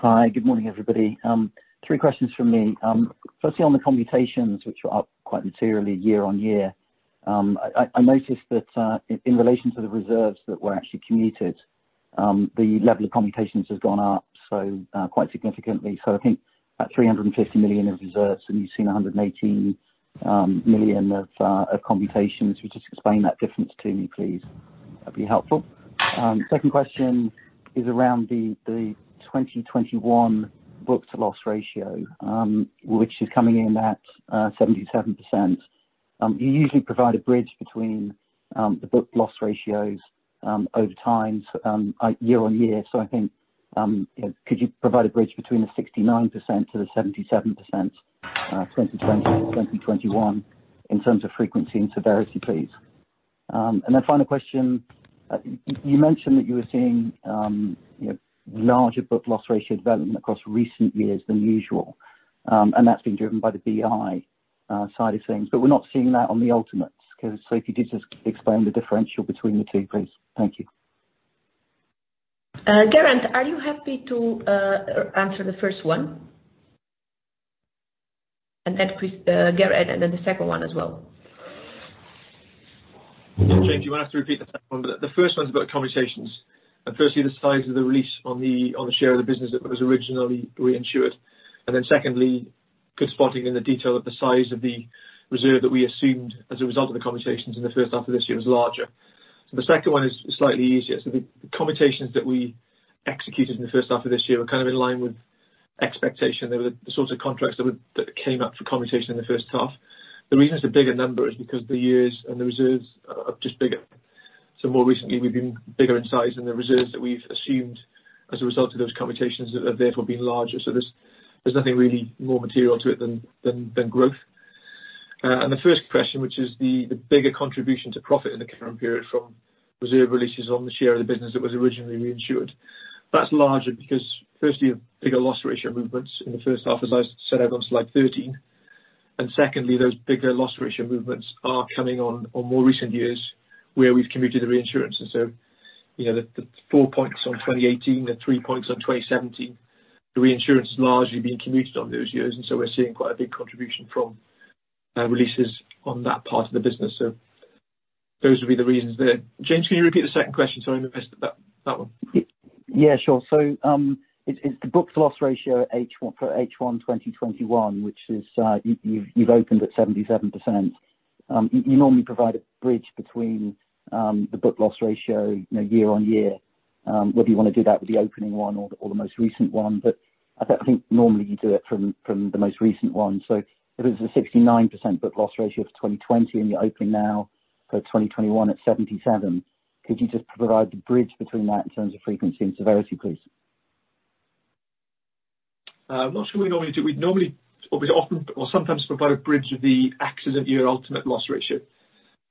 Hi, good morning, everybody. Three questions from me. Firstly, on the commutations, which were up quite materially year-on-year. I noticed that in relation to the reserves that were actually commuted, the level of commutations have gone up quite significantly. I think about 350 million of reserves, and you've seen 118 million of commutations. Would you just explain that difference to me, please? That'd be helpful. Second question is around the 2021 book to loss ratio, which is coming in at 77%. You usually provide a bridge between the book loss ratios over time year-on-year. I think, could you provide a bridge between the 69% to the 77% 2020-2021 in terms of frequency and severity, please? Final question, you mentioned that you were seeing larger book loss ratio development across recent years than usual. That's been driven by the BI side of things. We're not seeing that on the ultimates because, so if you could just explain the differential between the two, please? Thank you. Geraint, are you happy to answer the first one? Then the second one as well. James, you might have to repeat the second one. The first one's about commutations. Firstly, the size of the release on the share of the business that was originally reinsured. Secondly, good spotting in the detail of the size of the reserve that we assumed as a result of the commutations in the first half of this year was larger. The second one is slightly easier. The commutations that we executed in the first half of this year were kind of in line with expectation. They were the sort of contracts that came up for commutation in the first half. The reason it's a bigger number is because the years and the reserves are just bigger. More recently, we've been bigger in size, and the reserves that we've assumed as a result of those commutations have therefore been larger. There's nothing really more material to it than growth. The first question, which is the bigger contribution to profit in the current period from reserve releases on the share of the business that was originally reinsured. That's larger because firstly, bigger loss ratio movements in the first half, as I set out on slide 13. Secondly, those bigger loss ratio movements are coming on more recent years where we've commuted the reinsurance. The four points on 2018, the three points on 2017, the reinsurance has largely been commuted on those years, and so we're seeing quite a big contribution from releases on that part of the business. Those would be the reasons there. James, can you repeat the second question? Sorry, I missed that one. Sure. It's the book loss ratio for H1 2021, which is you've opened at 77%. You normally provide a bridge between the book loss ratio year-on-year. Whether you want to do that with the opening one or the most recent one, I think normally you do it from the most recent one. If it was a 69% book loss ratio for 2020, and you're opening now for 2021 at 77%, could you just provide the bridge between that in terms of frequency and severity, please? Not sure we normally do. We often or sometimes provide a bridge with the accident year ultimate loss ratio.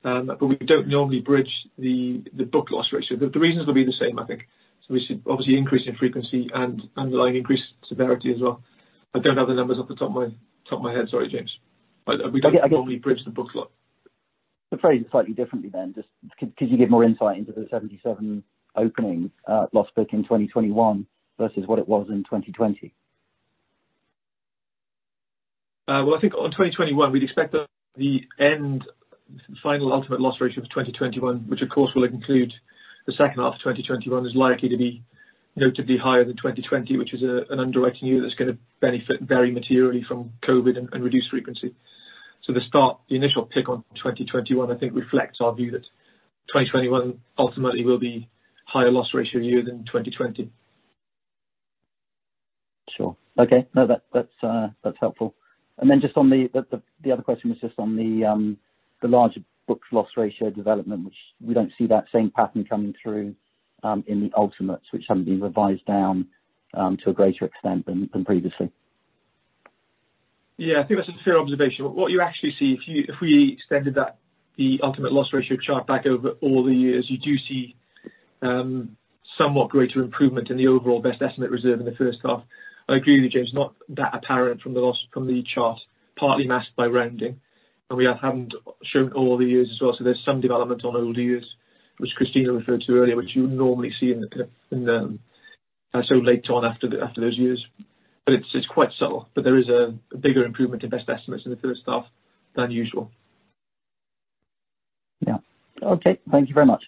We don't normally bridge the book loss ratio. The reasons will be the same, I think. We see obviously increase in frequency and underlying increased severity as well. I don't have the numbers off the top of my head. Sorry, James. We don't normally bridge the books loss. To phrase it slightly differently, just could you give more insight into the 77% opening loss book in 2021 versus what it was in 2020? I think on 2021, we'd expect the end final ultimate loss ratio of 2021, which of course will include the second half of 2021, is likely to be notably higher than 2020, which is an underwriting year that's going to benefit very materially from COVID and reduced frequency. The start, the initial pick on 2021, I think reflects our view that 2021 ultimately will be higher loss ratio year than 2020. Sure. Okay. No, that's helpful. Then the other question was just on the larger books loss ratio development, which we don't see that same pattern coming through in the ultimates, which haven't been revised down to a greater extent than previously. Yeah, I think that's a fair observation. What you actually see, if we extended the ultimate loss ratio chart back over all the years, you do see somewhat greater improvement in the overall best estimate reserve in the first half. I agree with you, James, not that apparent from the chart, partly masked by rounding. We haven't shown all the years as well, so there's some development on older years, which Cristina referred to earlier, which you would normally see so late on after those years. It's quite subtle. There is a bigger improvement in best estimates in the first half than usual. Yeah. Okay. Thank you very much.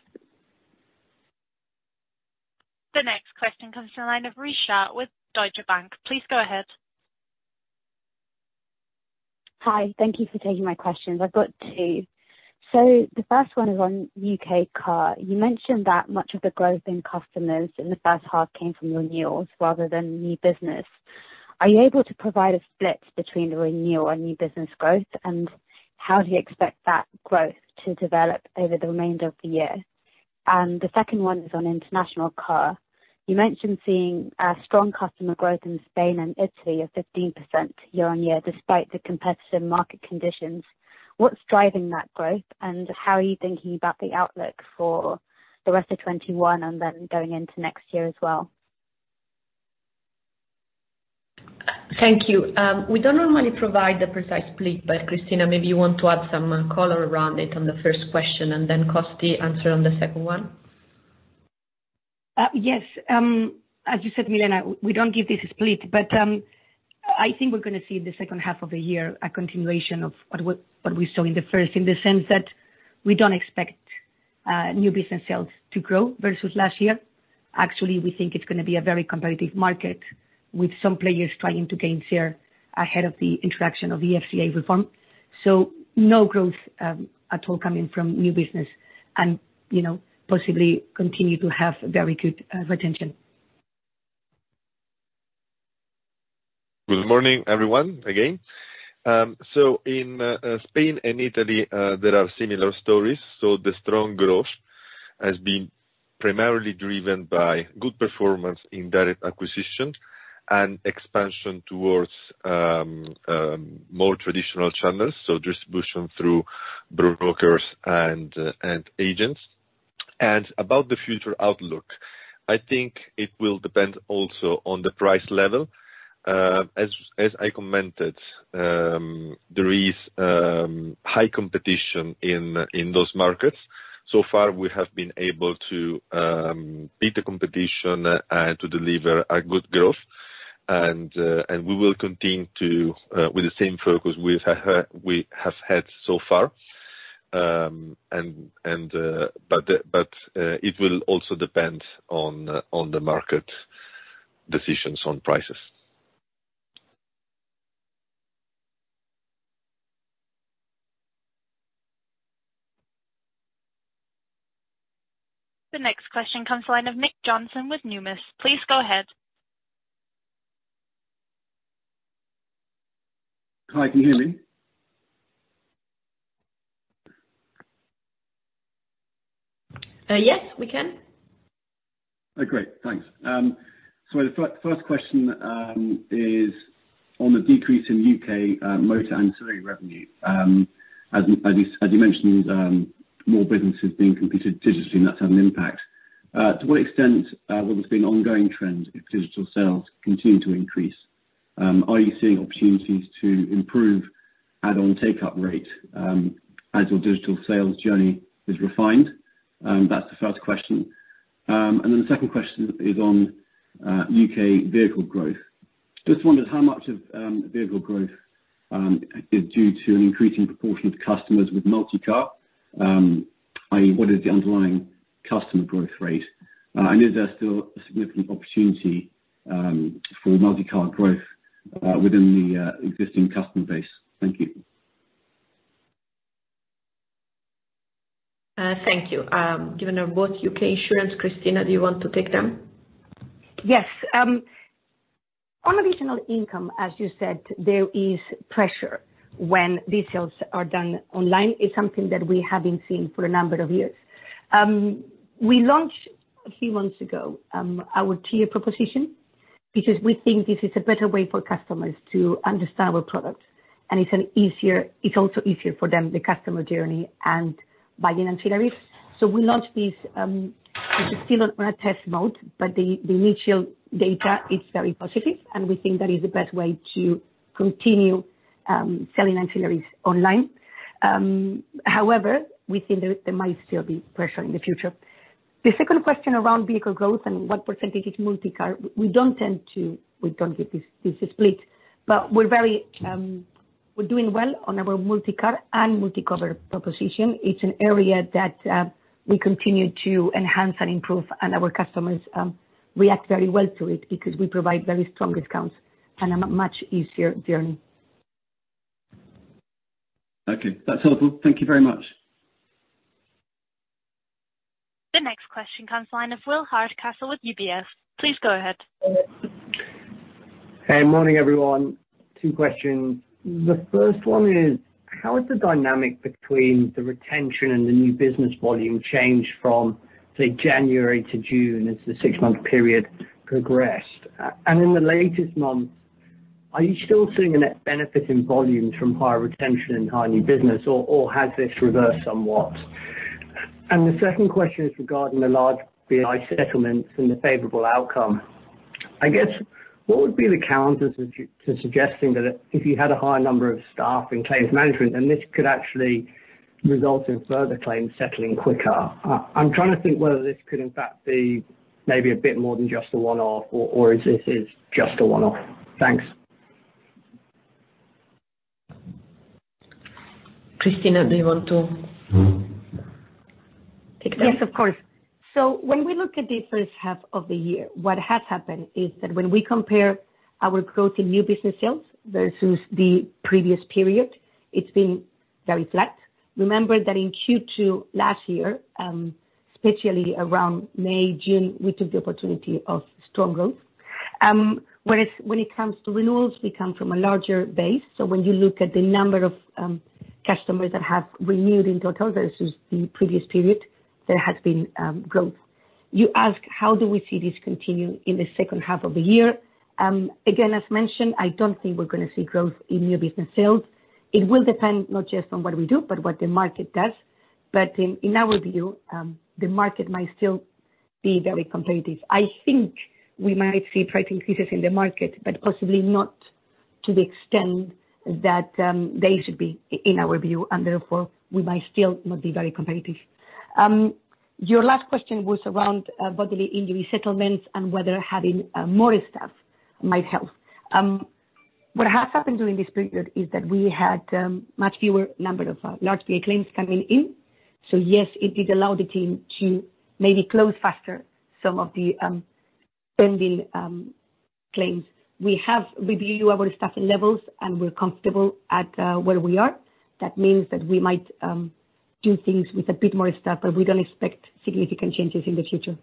The next question comes from the line of Rhea Shah with Deutsche Bank. Please go ahead. Hi. Thank you for taking my questions. I've got two. The first one is on UK Motor. You mentioned that much of the growth in customers in the first half came from renewals rather than new business. Are you able to provide a split between the renewal and new business growth? How do you expect that growth to develop over the remainder of the year? The second one is on international car. You mentioned seeing a strong customer growth in Spain and Italy of 15% year-on-year, despite the competitive market conditions. What's driving that growth, and how are you thinking about the outlook for the rest of 2021 and then going into next year as well? Thank you. We don't normally provide the precise split, but Cristina, maybe you want to add some color around it on the first question and then Costi answer on the second one. Yes. As you said, Milena, we don't give this split, but I think we're going to see the second half of the year a continuation of what we saw in the first, in the sense that we don't expect new business sales to grow versus last year. Actually, we think it's going to be a very competitive market with some players trying to gain share ahead of the interaction of the FCA reform. No growth at all coming from new business and possibly continue to have very good retention. Good morning, everyone, again. In Spain and Italy, there are similar stories. The strong growth has been primarily driven by good performance in direct acquisition and expansion towards more traditional channels, so distribution through brokers and agents. About the future outlook, I think it will depend also on the price level. As I commented, there is high competition in those markets. So far, we have been able to beat the competition and to deliver a good growth. We will continue with the same focus we have had so far. It will also depend on the market decisions on prices. The next question comes the line of Nick Johnson with Numis. Please go ahead. Hi, can you hear me? Yes, we can. The first question is on the decrease in UK Motor ancillary revenue. As you mentioned, more businesses being competed digitally, and that's had an impact. To what extent would this be an ongoing trend if digital sales continue to increase? Are you seeing opportunities to improve add-on take-up rate as your digital sales journey is refined? That's the first question. The second question is on UK vehicle growth. Just wondered how much of vehicle growth is due to an increasing proportion of customers with MultiCar? I.e., what is the underlying customer growth rate? Is there still a significant opportunity for MultiCar growth within the existing customer base? Thank you. Thank you. Given they're both UK Insurance, Cristina, do you want to take them? Yes. On additional income, as you said, there is pressure when these sales are done online. It's something that we have been seeing for a number of years. We launched, a few months ago, our tier proposition because we think this is a better way for customers to understand our product, and it's also easier for them, the customer journey and buying ancillaries. We launched this, which is still on a test mode, but the initial data is very positive, and we think that is the best way to continue selling ancillaries online. However, we think there might still be pressure in the future. The second question around vehicle growth and what percentage is MultiCar, we don't give this split, but we're doing well on our MultiCar and MultiCover proposition. It's an area that we continue to enhance and improve, and our customers react very well to it because we provide very strong discounts and a much easier journey. Okay. That's helpful. Thank you very much. The next question comes the line of Will Hardcastle with UBS. Please go ahead. Hey, morning, everyone. Two questions. The first one is, how has the dynamic between the retention and the new business volume changed from, say, January to June as the six-month period progressed? In the latest month, are you still seeing a net benefit in volumes from higher retention and higher new business, or has this reversed somewhat? The second question is regarding the large BI settlements and the favorable outcome. I guess, what would be the counters to suggesting that if you had a higher number of staff in claims management, then this could actually result in further claims settling quicker? I'm trying to think whether this could in fact be maybe a bit more than just a one-off, or is this just a one-off? Thanks. Cristina, do you want to take that? Yes, of course. When we look at the 1st half of the year, what has happened is that when we compare our growth in new business sales versus the previous period, it's been very flat. Remember that in Q2 last year, especially around May, June, we took the opportunity of strong growth. When it comes to renewals, we come from a larger base. When you look at the number of customers that have renewed in total versus the previous period, there has been growth. You ask, how do we see this continue in the second half of the year? Again, as mentioned, I don't think we're going to see growth in new business sales. It will depend not just on what we do, but what the market does. In our view, the market might still be very competitive. I think we might see price increases in the market. Possibly not to the extent that they should be, in our view. Therefore, we might still not be very competitive. Your last question was around bodily injury settlements and whether having more staff might help. What has happened during this period is that we had much fewer numbers of large BI claims coming in. Yes, it did allow the team to maybe close faster some of the pending claims. We have reviewed our staffing levels. We're comfortable at where we are. That means that we might do things with a bit more staff. We don't expect significant changes in the future.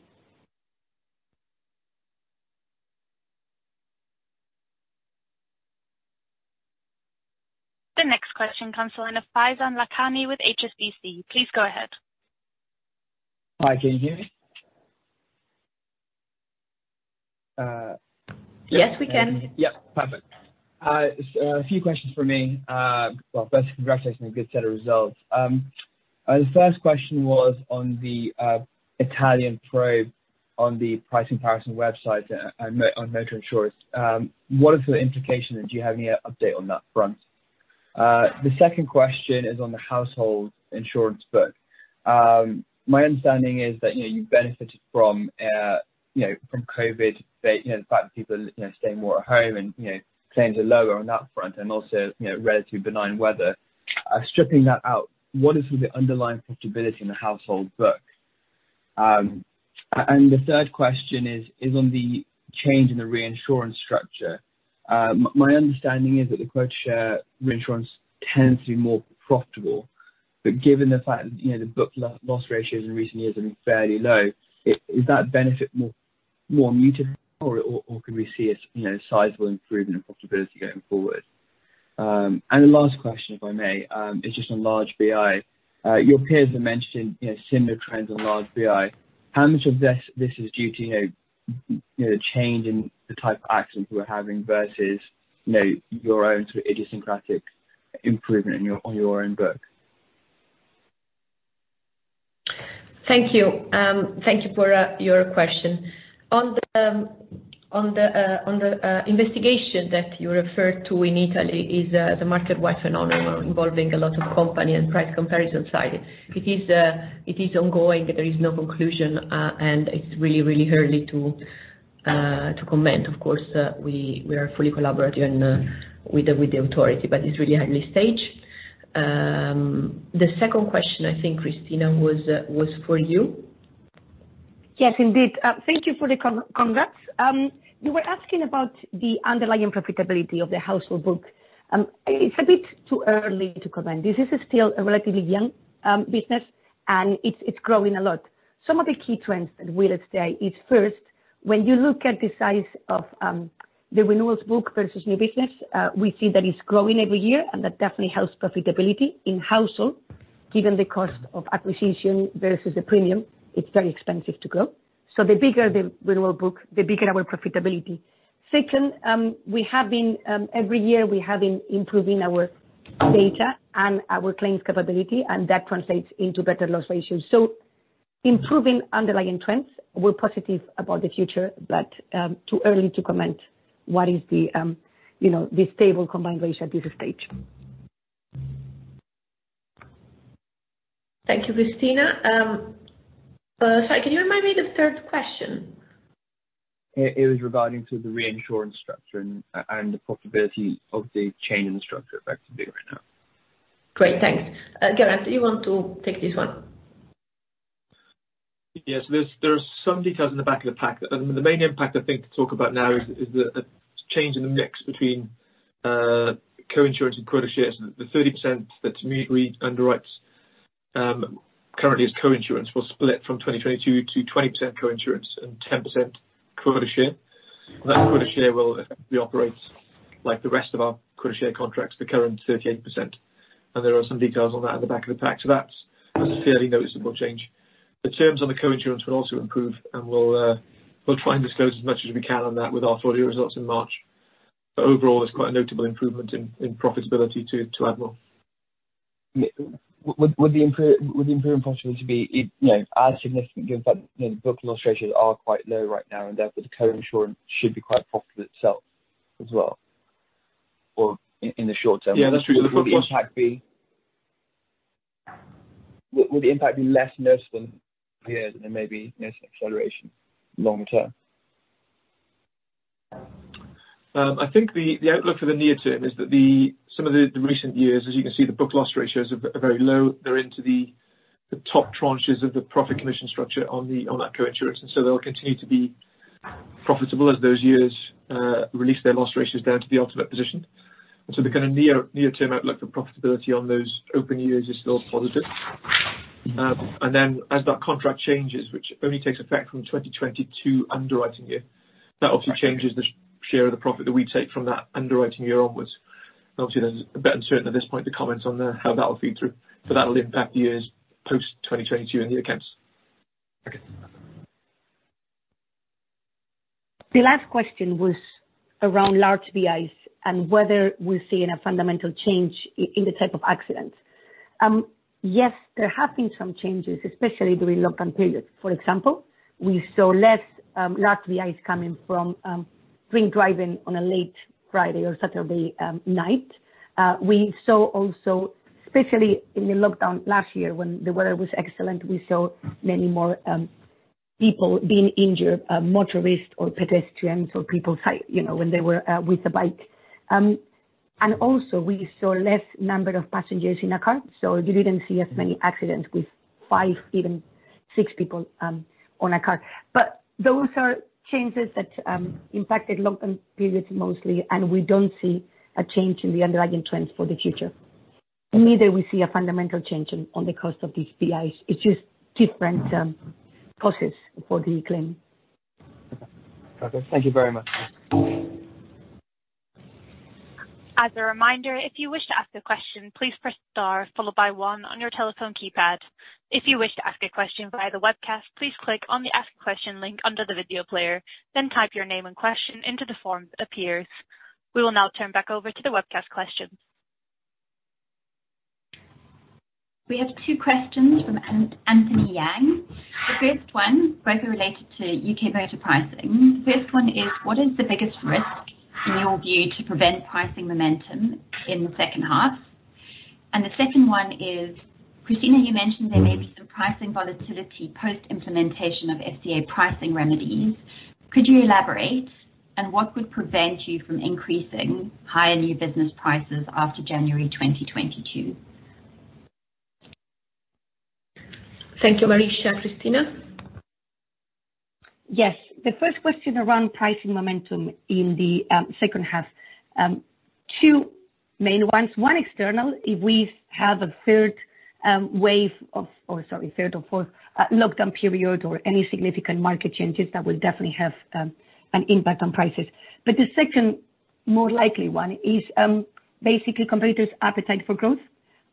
The next question comes the line of Faizan Lakhani with HSBC. Please go ahead. Hi, can you hear me? Yes, we can. Yep. Perfect. A few questions from me. First, congratulations on a good set of results. The first question was on the Italian probe on the price comparison website on motor insurance. What are the implications? Do you have any update on that front? The second question is on the household insurance book. My understanding is that you benefited from COVID, the fact that people are staying more at home, and claims are lower on that front and also relatively benign weather. Stripping that out, what is the underlying profitability in the household book? The third question is on the change in the reinsurance structure. My understanding is that the quota share reinsurance tends to be more profitable. Given the fact the book loss ratios in recent years have been fairly low, is that benefit more muted, or can we see a sizable improvement in profitability going forward? The last question, if I may, is just on large BI. Your peers have mentioned similar trends on large BI. How much of this is due to change in the type of accidents we're having versus your own sort of idiosyncratic improvement on your own book? Thank you. Thank you for your question. On the investigation that you referred to in Italy is the market-wide phenomenon involving a lot of company and price comparison [website]. It is ongoing. There is no conclusion, and it's really early to comment. Of course, we are fully collaborative with the authority, but it's really early stage. The second question, I think Cristina was for you. Yes, indeed. Thank you for the congrats. You were asking about the underlying profitability of the household book. It's a bit too early to comment. This is still a relatively young business, and it's growing a lot. Some of the key trends that we'll say is first, when you look at the size of the renewals book versus new business, we see that it's growing every year, and that definitely helps profitability in household, given the cost of acquisition versus the premium. It's very expensive to grow. The bigger the renewal book, the bigger our profitability. Second, every year, we have been improving our data and our claims capability, and that translates into better loss ratios. Improving underlying trends. We're positive about the future, but too early to comment what is the stable combined ratio at this stage. Thank you, Cristina. Sorry, can you remind me the third question? It was regarding the reinsurance structure and the profitability of the change in the structure effectively right now. Great, thanks. Geraint, you want to take this one? Yes. There are some details in the back of the pack. The main impact I think to talk about now is the change in the mix between co-insurance and quota shares. The 30% that Munich Re underwrites currently as co-insurance will split from 2022 to 20% co-insurance and 10% quota share. That quota share will effectively operate like the rest of our quota share contracts, the current 38%. There are some details on that in the back of the pack. That's a fairly noticeable change. The terms on the co-insurance will also improve, and we'll try and disclose as much as we can on that with our full year results in March. Overall, it's quite a notable improvement in profitability to Admiral. Would the improvement potentially be as significant given that book loss ratios are quite low right now, and therefore the co-insurance should be quite profitable itself as well, or in the short term? Yeah, that's true. Would the impact be less noticeable years and then maybe acceleration long term? I think the outlook for the near term is that some of the recent years, as you can see, the book loss ratios are very low. They're into the top tranches of the profit commission structure on that co-insurance. They'll continue to be profitable as those years release their loss ratios down to the ultimate position. The kind of near-term outlook for profitability on those open years is still positive. As that contract changes, which only takes effect from 2022 underwriting year, that obviously changes the share of the profit that we take from that underwriting year onwards. Obviously, that's a bit uncertain at this point to comment on how that'll feed through, but that'll impact years post 2022 in the accounts. Okay. The last question was around large BIs and whether we're seeing a fundamental change in the type of accidents. There have been some changes, especially during lockdown periods. For example, we saw less large BIs coming from drink driving on a late Friday or Saturday night. We saw also, especially in the lockdown last year when the weather was excellent, we saw many more people being injured, motorists or pedestrians or people when they were with a bike. Also we saw less number of passengers in a car. You didn't see as many accidents with five, even six people on a car. Those are changes that impacted lockdown periods mostly, and we don't see a change in the underlying trends for the future. Neither we see a fundamental change on the cost of these BIs. It's just different causes for the claim. Okay. Thank you very much. As a reminder, if you wish to ask a question, please press star followed by one on your telephone keypad. If you wish to ask a question via the webcast, please click on the Ask Question link under the video player, then type your name and question into the form that appears. We will now turn back over to the webcast questions. We have two questions from Anthony Yang. The first one, both are related to UK motor pricing. The first one is, what is the biggest risk in your view to prevent pricing momentum in the second half? The second one is, Cristina, you mentioned there may be some pricing volatility post-implementation of FCA pricing reform. Could you elaborate? What would prevent you from increasing higher new business prices after January 2022? Thank you, Marisja. Cristina? Yes. The first question around pricing momentum in the second half. Two main ones. One external, if we have a third wave of, or sorry, third or fourth lockdown period or any significant market changes, that will definitely have an impact on prices. The second more likely one is basically competitors' appetite for growth.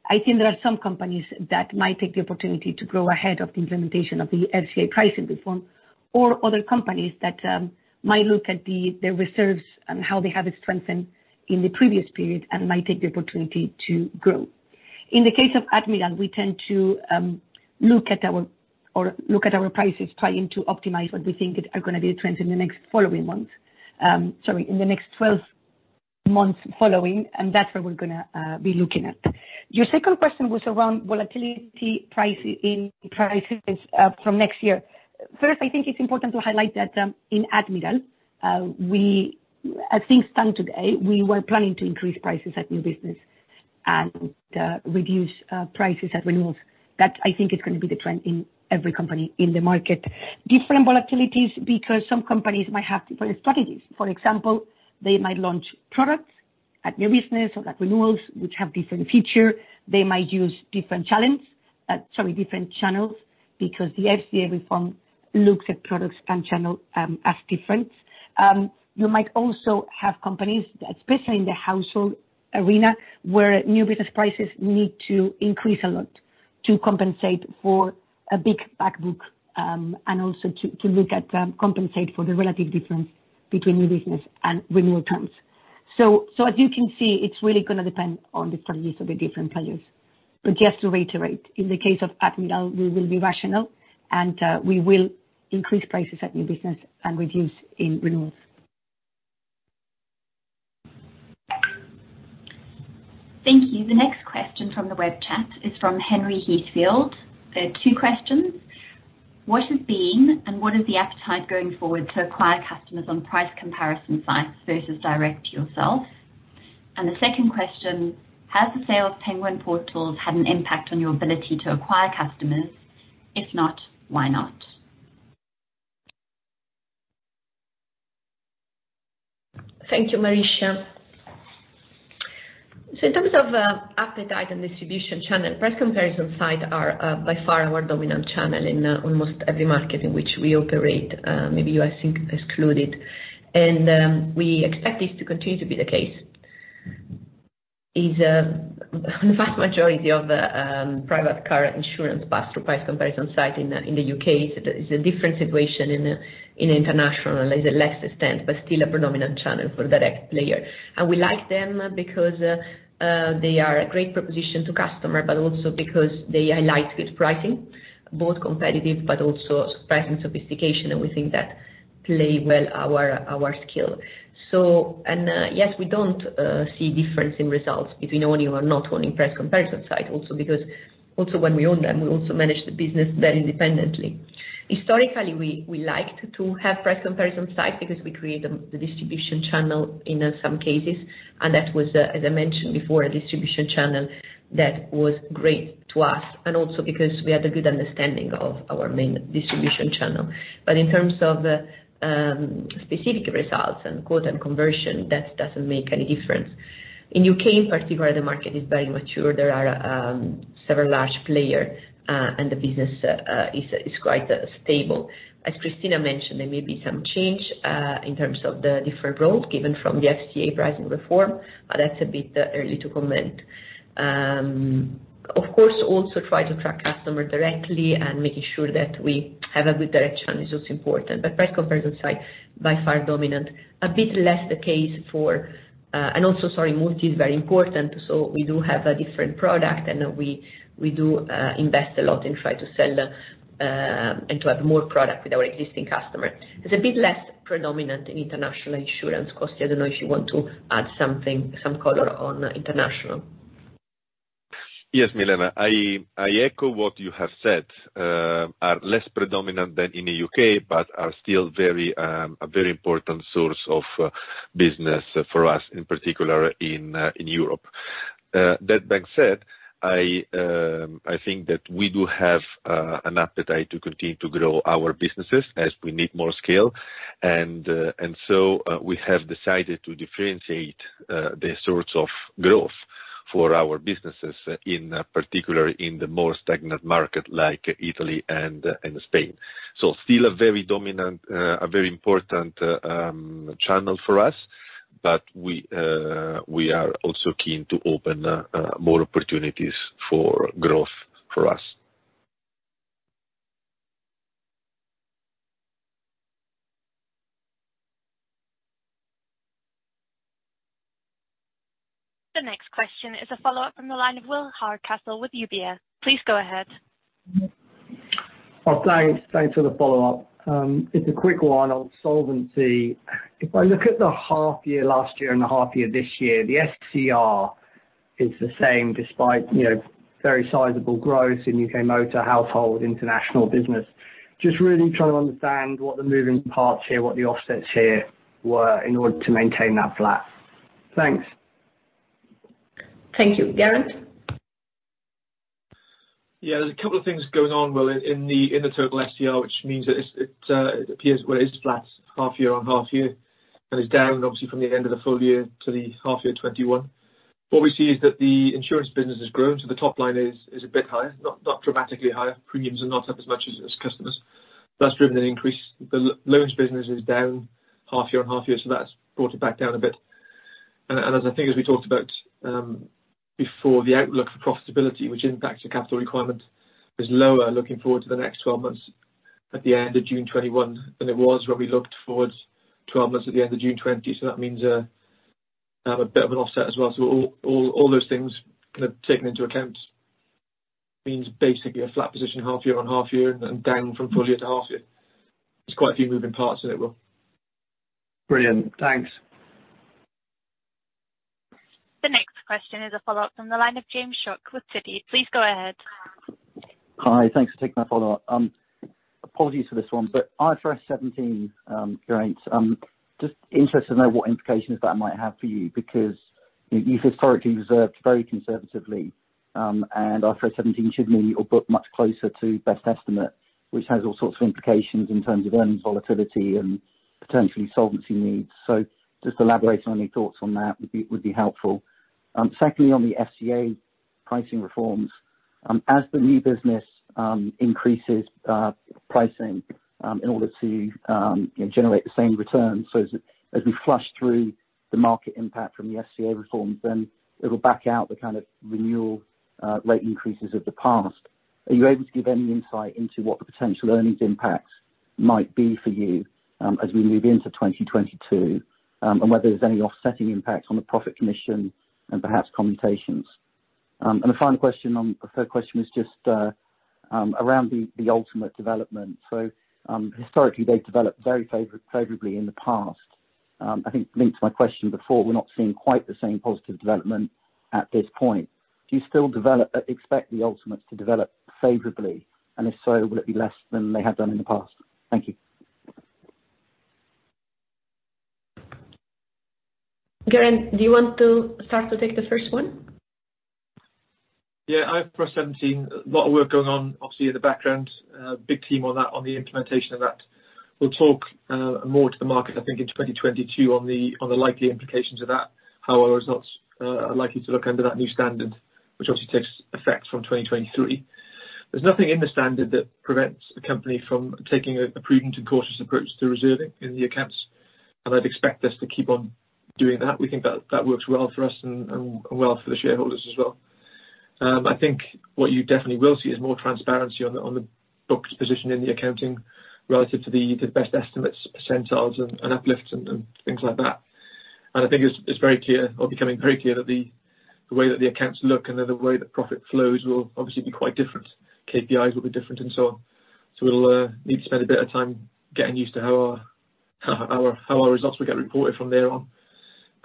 I think there are some companies that might take the opportunity to grow ahead of the implementation of the FCA pricing reform, or other companies that might look at their reserves and how they have it strengthened in the previous period and might take the opportunity to grow. In the case of Admiral, we tend to look at our prices, trying to optimize what we think are going to be the trends in the next 12 months following, and that's where we're going to be looking at. Your second question was around volatility in prices from next year. First, I think it's important to highlight that in Admiral, as things stand today, we were planning to increase prices at new business and reduce prices at renewals. That I think is going to be the trend in every company in the market. Different volatilities because some companies might have different strategies. For example, they might launch products at new business or at renewals, which have different feature. They might use different channels because the FCA reform looks at products and channel as different. You might also have companies, especially in the household arena, where new business prices need to increase a lot to compensate for a big back book, and also to look at compensate for the relative difference between new business and renewal terms. As you can see, it's really going to depend on the strategies of the different players. Just to reiterate, in the case of Admiral, we will be rational and we will increase prices at new business and reduce in renewals. Thank you. The next question from the web chat is from Henry Heathfield. There are two questions. What has been, and what is the appetite going forward to acquire customers on price comparison sites versus direct to yourself? The second question, has the sale of Penguin Portals had an impact on your ability to acquire customers? If not, why not? Thank you, Marisja. In terms of appetite and distribution channel, price comparison site are by far our dominant channel in almost every market in which we operate, maybe U.S. included. We expect this to continue to be the case. The vast majority of private car insurance pass through price comparison site in the U.K. It's a different situation in international. It's a lesser extent, but still a predominant channel for direct player. We like them because they are a great proposition to customer, but also because they highlight good pricing, both competitive but also price and sophistication, and we think that play well our skill. Yes, we don't see difference in results if you own or not own in price comparison site also because also when we own them, we also manage the business very independently. Historically, we liked to have price comparison websites because we create the distribution channel in some cases, and that was, as I mentioned before, a distribution channel that was great to us, and also because we had a good understanding of our main distribution channel. In terms of specific results and quote and conversion, that doesn't make any difference. In U.K. in particular, the market is very mature. There are several large players, and the business is quite stable. As Cristina mentioned, there may be some change, in terms of the different roles given from the FCA pricing reform. That's a bit early to comment. Of course, also trying to track customers directly and making sure that we have a good direction is also important. Price comparison websites, by far dominant. Also, sorry, multi is very important. We do have a different product and we do invest a lot in try to sell and to have more product with our existing customer. It's a bit less predominant in International Insurance. Costi, I don't know if you want to add some color on international. Yes, Milena. I echo what you have said. They are less predominant than in the U.K., but are still a very important source of business for us, in particular in Europe. That being said, I think that we do have an appetite to continue to grow our businesses as we need more scale. We have decided to differentiate the sorts of growth for our businesses, in particular in the more stagnant market like Italy and Spain. Still a very important channel for us, but we are also keen to open more opportunities for growth for us. The next question is a follow-up from the line of Will Hardcastle with UBS. Please go ahead. Thanks for the follow-up. It's a quick one on solvency. If I look at the half year last year and the half year this year, the SCR is the same despite very sizable growth in UK Motor, UK Household, international business. Just really trying to understand what the moving parts here, what the offsets here were in order to maintain that flat. Thanks. Thank you. Geraint? Yeah, there's a couple of things going on, Will, in the total SCR, which means that it appears, well it is flat half year on half year, and is down obviously from the end of the full year to the half year 2021. What we see is that the insurance business has grown, so the top line is a bit higher, not dramatically higher. Premiums are not up as much as customers. That's driven an increase. The loans business is down half year on half year, so that's brought it back down a bit. As I think as we talked about before, the outlook for profitability, which impacts the capital requirement, is lower looking forward to the next 12 months at the end of June 2021 than it was when we looked forwards 12 months at the end of June 2020. That means a bit of an offset as well. All those things kind of taken into account means basically a flat position half-year on half-year and down from full-year to half-year. There's quite a few moving parts in it, Will. Brilliant. Thanks. The next question is a follow-up from the line of James Shuck with Citi. Please go ahead. Hi. Thanks for taking my follow-up. Apologies for this one, but IFRS 17, Geraint. Just interested to know what implications that might have for you because you've historically reserved very conservatively, and IFRS 17 should mean your book much closer to best estimate, which has all sorts of implications in terms of earnings volatility and potentially solvency needs. Secondly, on the FCA pricing reforms, as the new business increases pricing in order to generate the same return, so as we flush through the market impact from the FCA reforms, then it'll back out the kind of renewal rate increases of the past. Are you able to give any insight into what the potential earnings impacts might be for you as we move into 2022? Whether there's any offsetting impact on the profit commission and perhaps commutations? The final question, the third question, was just around the ultimate development. Historically, they've developed very favorably in the past. I think linked to my question before, we're not seeing quite the same positive development at this point. Do you still expect the ultimates to develop favorably? If so, will it be less than they have done in the past? Thank you. Geraint, do you want to start to take the first one? Yeah. IFRS 17, a lot of work going on obviously in the background. Big team on the implementation of that. We'll talk more to the market, I think, in 2022 on the likely implications of that. How our results are likely to look under that new standard, which obviously takes effect from 2023. There's nothing in the standard that prevents the company from taking a prudent and cautious approach to reserving in the accounts, and I'd expect us to keep on doing that. We think that works well for us and well for the shareholders as well. I think what you definitely will see is more transparency on the book's position in the accounting relative to the best estimate percentiles and uplifts and things like that. I think it's very clear or becoming very clear that the way that the accounts look and the way that profit flows will obviously be quite different. KPIs will be different and so on. We'll need to spend a bit of time getting used to how our results will get reported from there on.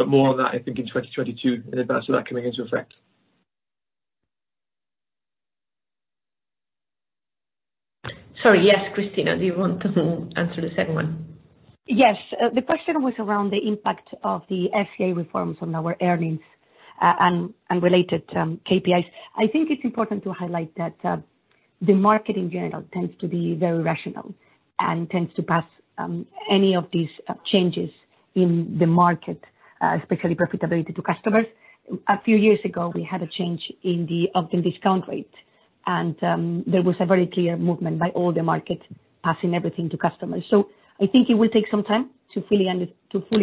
More on that, I think, in 2022 in advance of that coming into effect. Sorry, yes. Cristina, do you want to answer the second one? Yes. The question was around the impact of the FCA reforms on our earnings and related KPIs. I think it's important to highlight that the market in general tends to be very rational and tends to pass any of these changes in the market, especially profitability to customers. A few years ago, we had a change in the discount rate, and there was a very clear movement by all the markets passing everything to customers. I think it will take some time to fully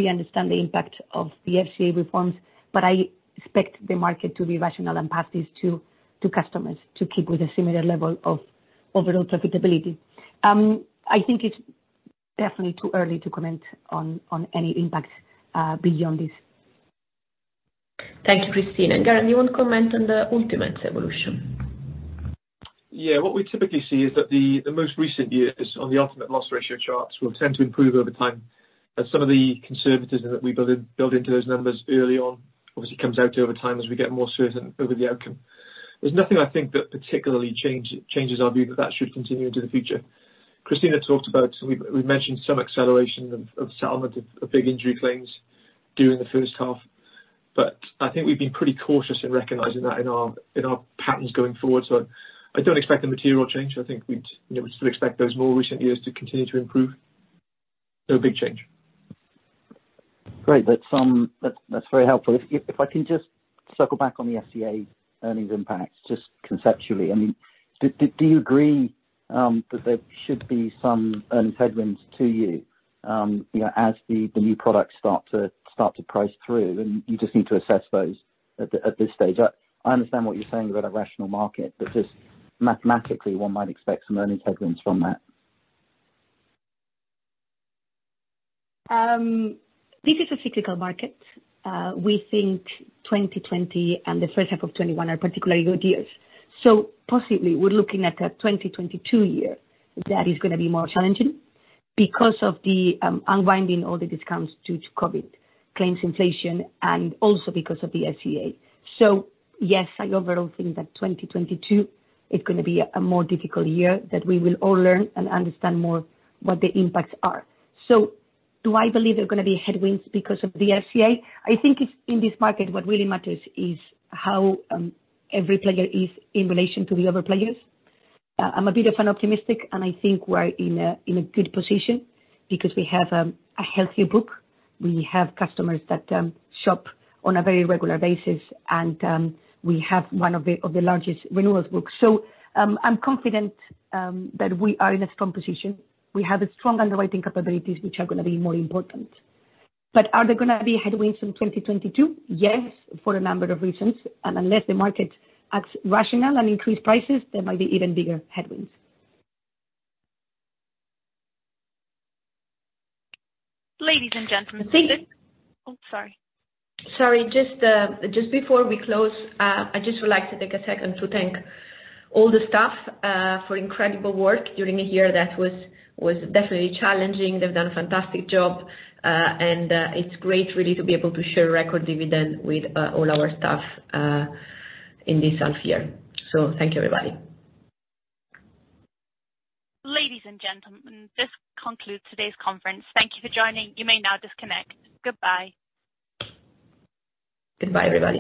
understand the impact of the FCA reforms, but I expect the market to be rational and pass these to customers to keep with a similar level of overall profitability. I think it's definitely too early to comment on any impacts beyond this. Thank you, Cristina. Geraint, do you want to comment on the ultimates evolution? What we typically see is that the most recent years on the ultimate loss ratio charts will tend to improve over time as some of the conservatism that we build into those numbers early on obviously comes out over time as we get more certain over the outcome. There's nothing, I think, that particularly changes our view that should continue into the future. Cristina talked about, we've mentioned some acceleration of settlement of bodily injury claims during the first half. I think we've been pretty cautious in recognizing that in our patterns going forward. I don't expect a material change. I think we'd still expect those more recent years to continue to improve. No big change. Great. That's very helpful. If I can just circle back on the FCA earnings impact, just conceptually. Do you agree that there should be some earnings headwinds to you as the new products start to price through, and you just need to assess those at this stage? I understand what you're saying about a rational market. Just mathematically, one might expect some earnings headwinds from that. This is a cyclical market. We think 2020 and the first half of 2021 are particularly good years. Possibly, we're looking at a 2022 year that is going to be more challenging because of the unwinding all the discounts due to COVID claims inflation and also because of the FCA. Yes, I overall think that 2022 is going to be a more difficult year, that we will all learn and understand more what the impacts are. Do I believe there are going to be headwinds because of the FCA? I think in this market, what really matters is how every player is in relation to the other players. I'm a bit of an optimistic, and I think we're in a good position because we have a healthier book. We have customers that shop on a very regular basis, and we have one of the largest renewals books. I'm confident that we are in a strong position. We have strong underwriting capabilities, which are going to be more important. Are there going to be headwinds from 2022? Yes, for a number of reasons. Unless the market acts rational and increase prices, there might be even bigger headwinds. Ladies and gentlemen. Sorry. Just before we close, I just would like to take a second to thank all the staff for incredible work during a year that was definitely challenging. They've done a fantastic job. It's great really to be able to share record dividend with all our staff in this half year. Thank you, everybody. Ladies and gentlemen, this concludes today's conference. Thank you for joining. You may now disconnect. Goodbye. Goodbye, everybody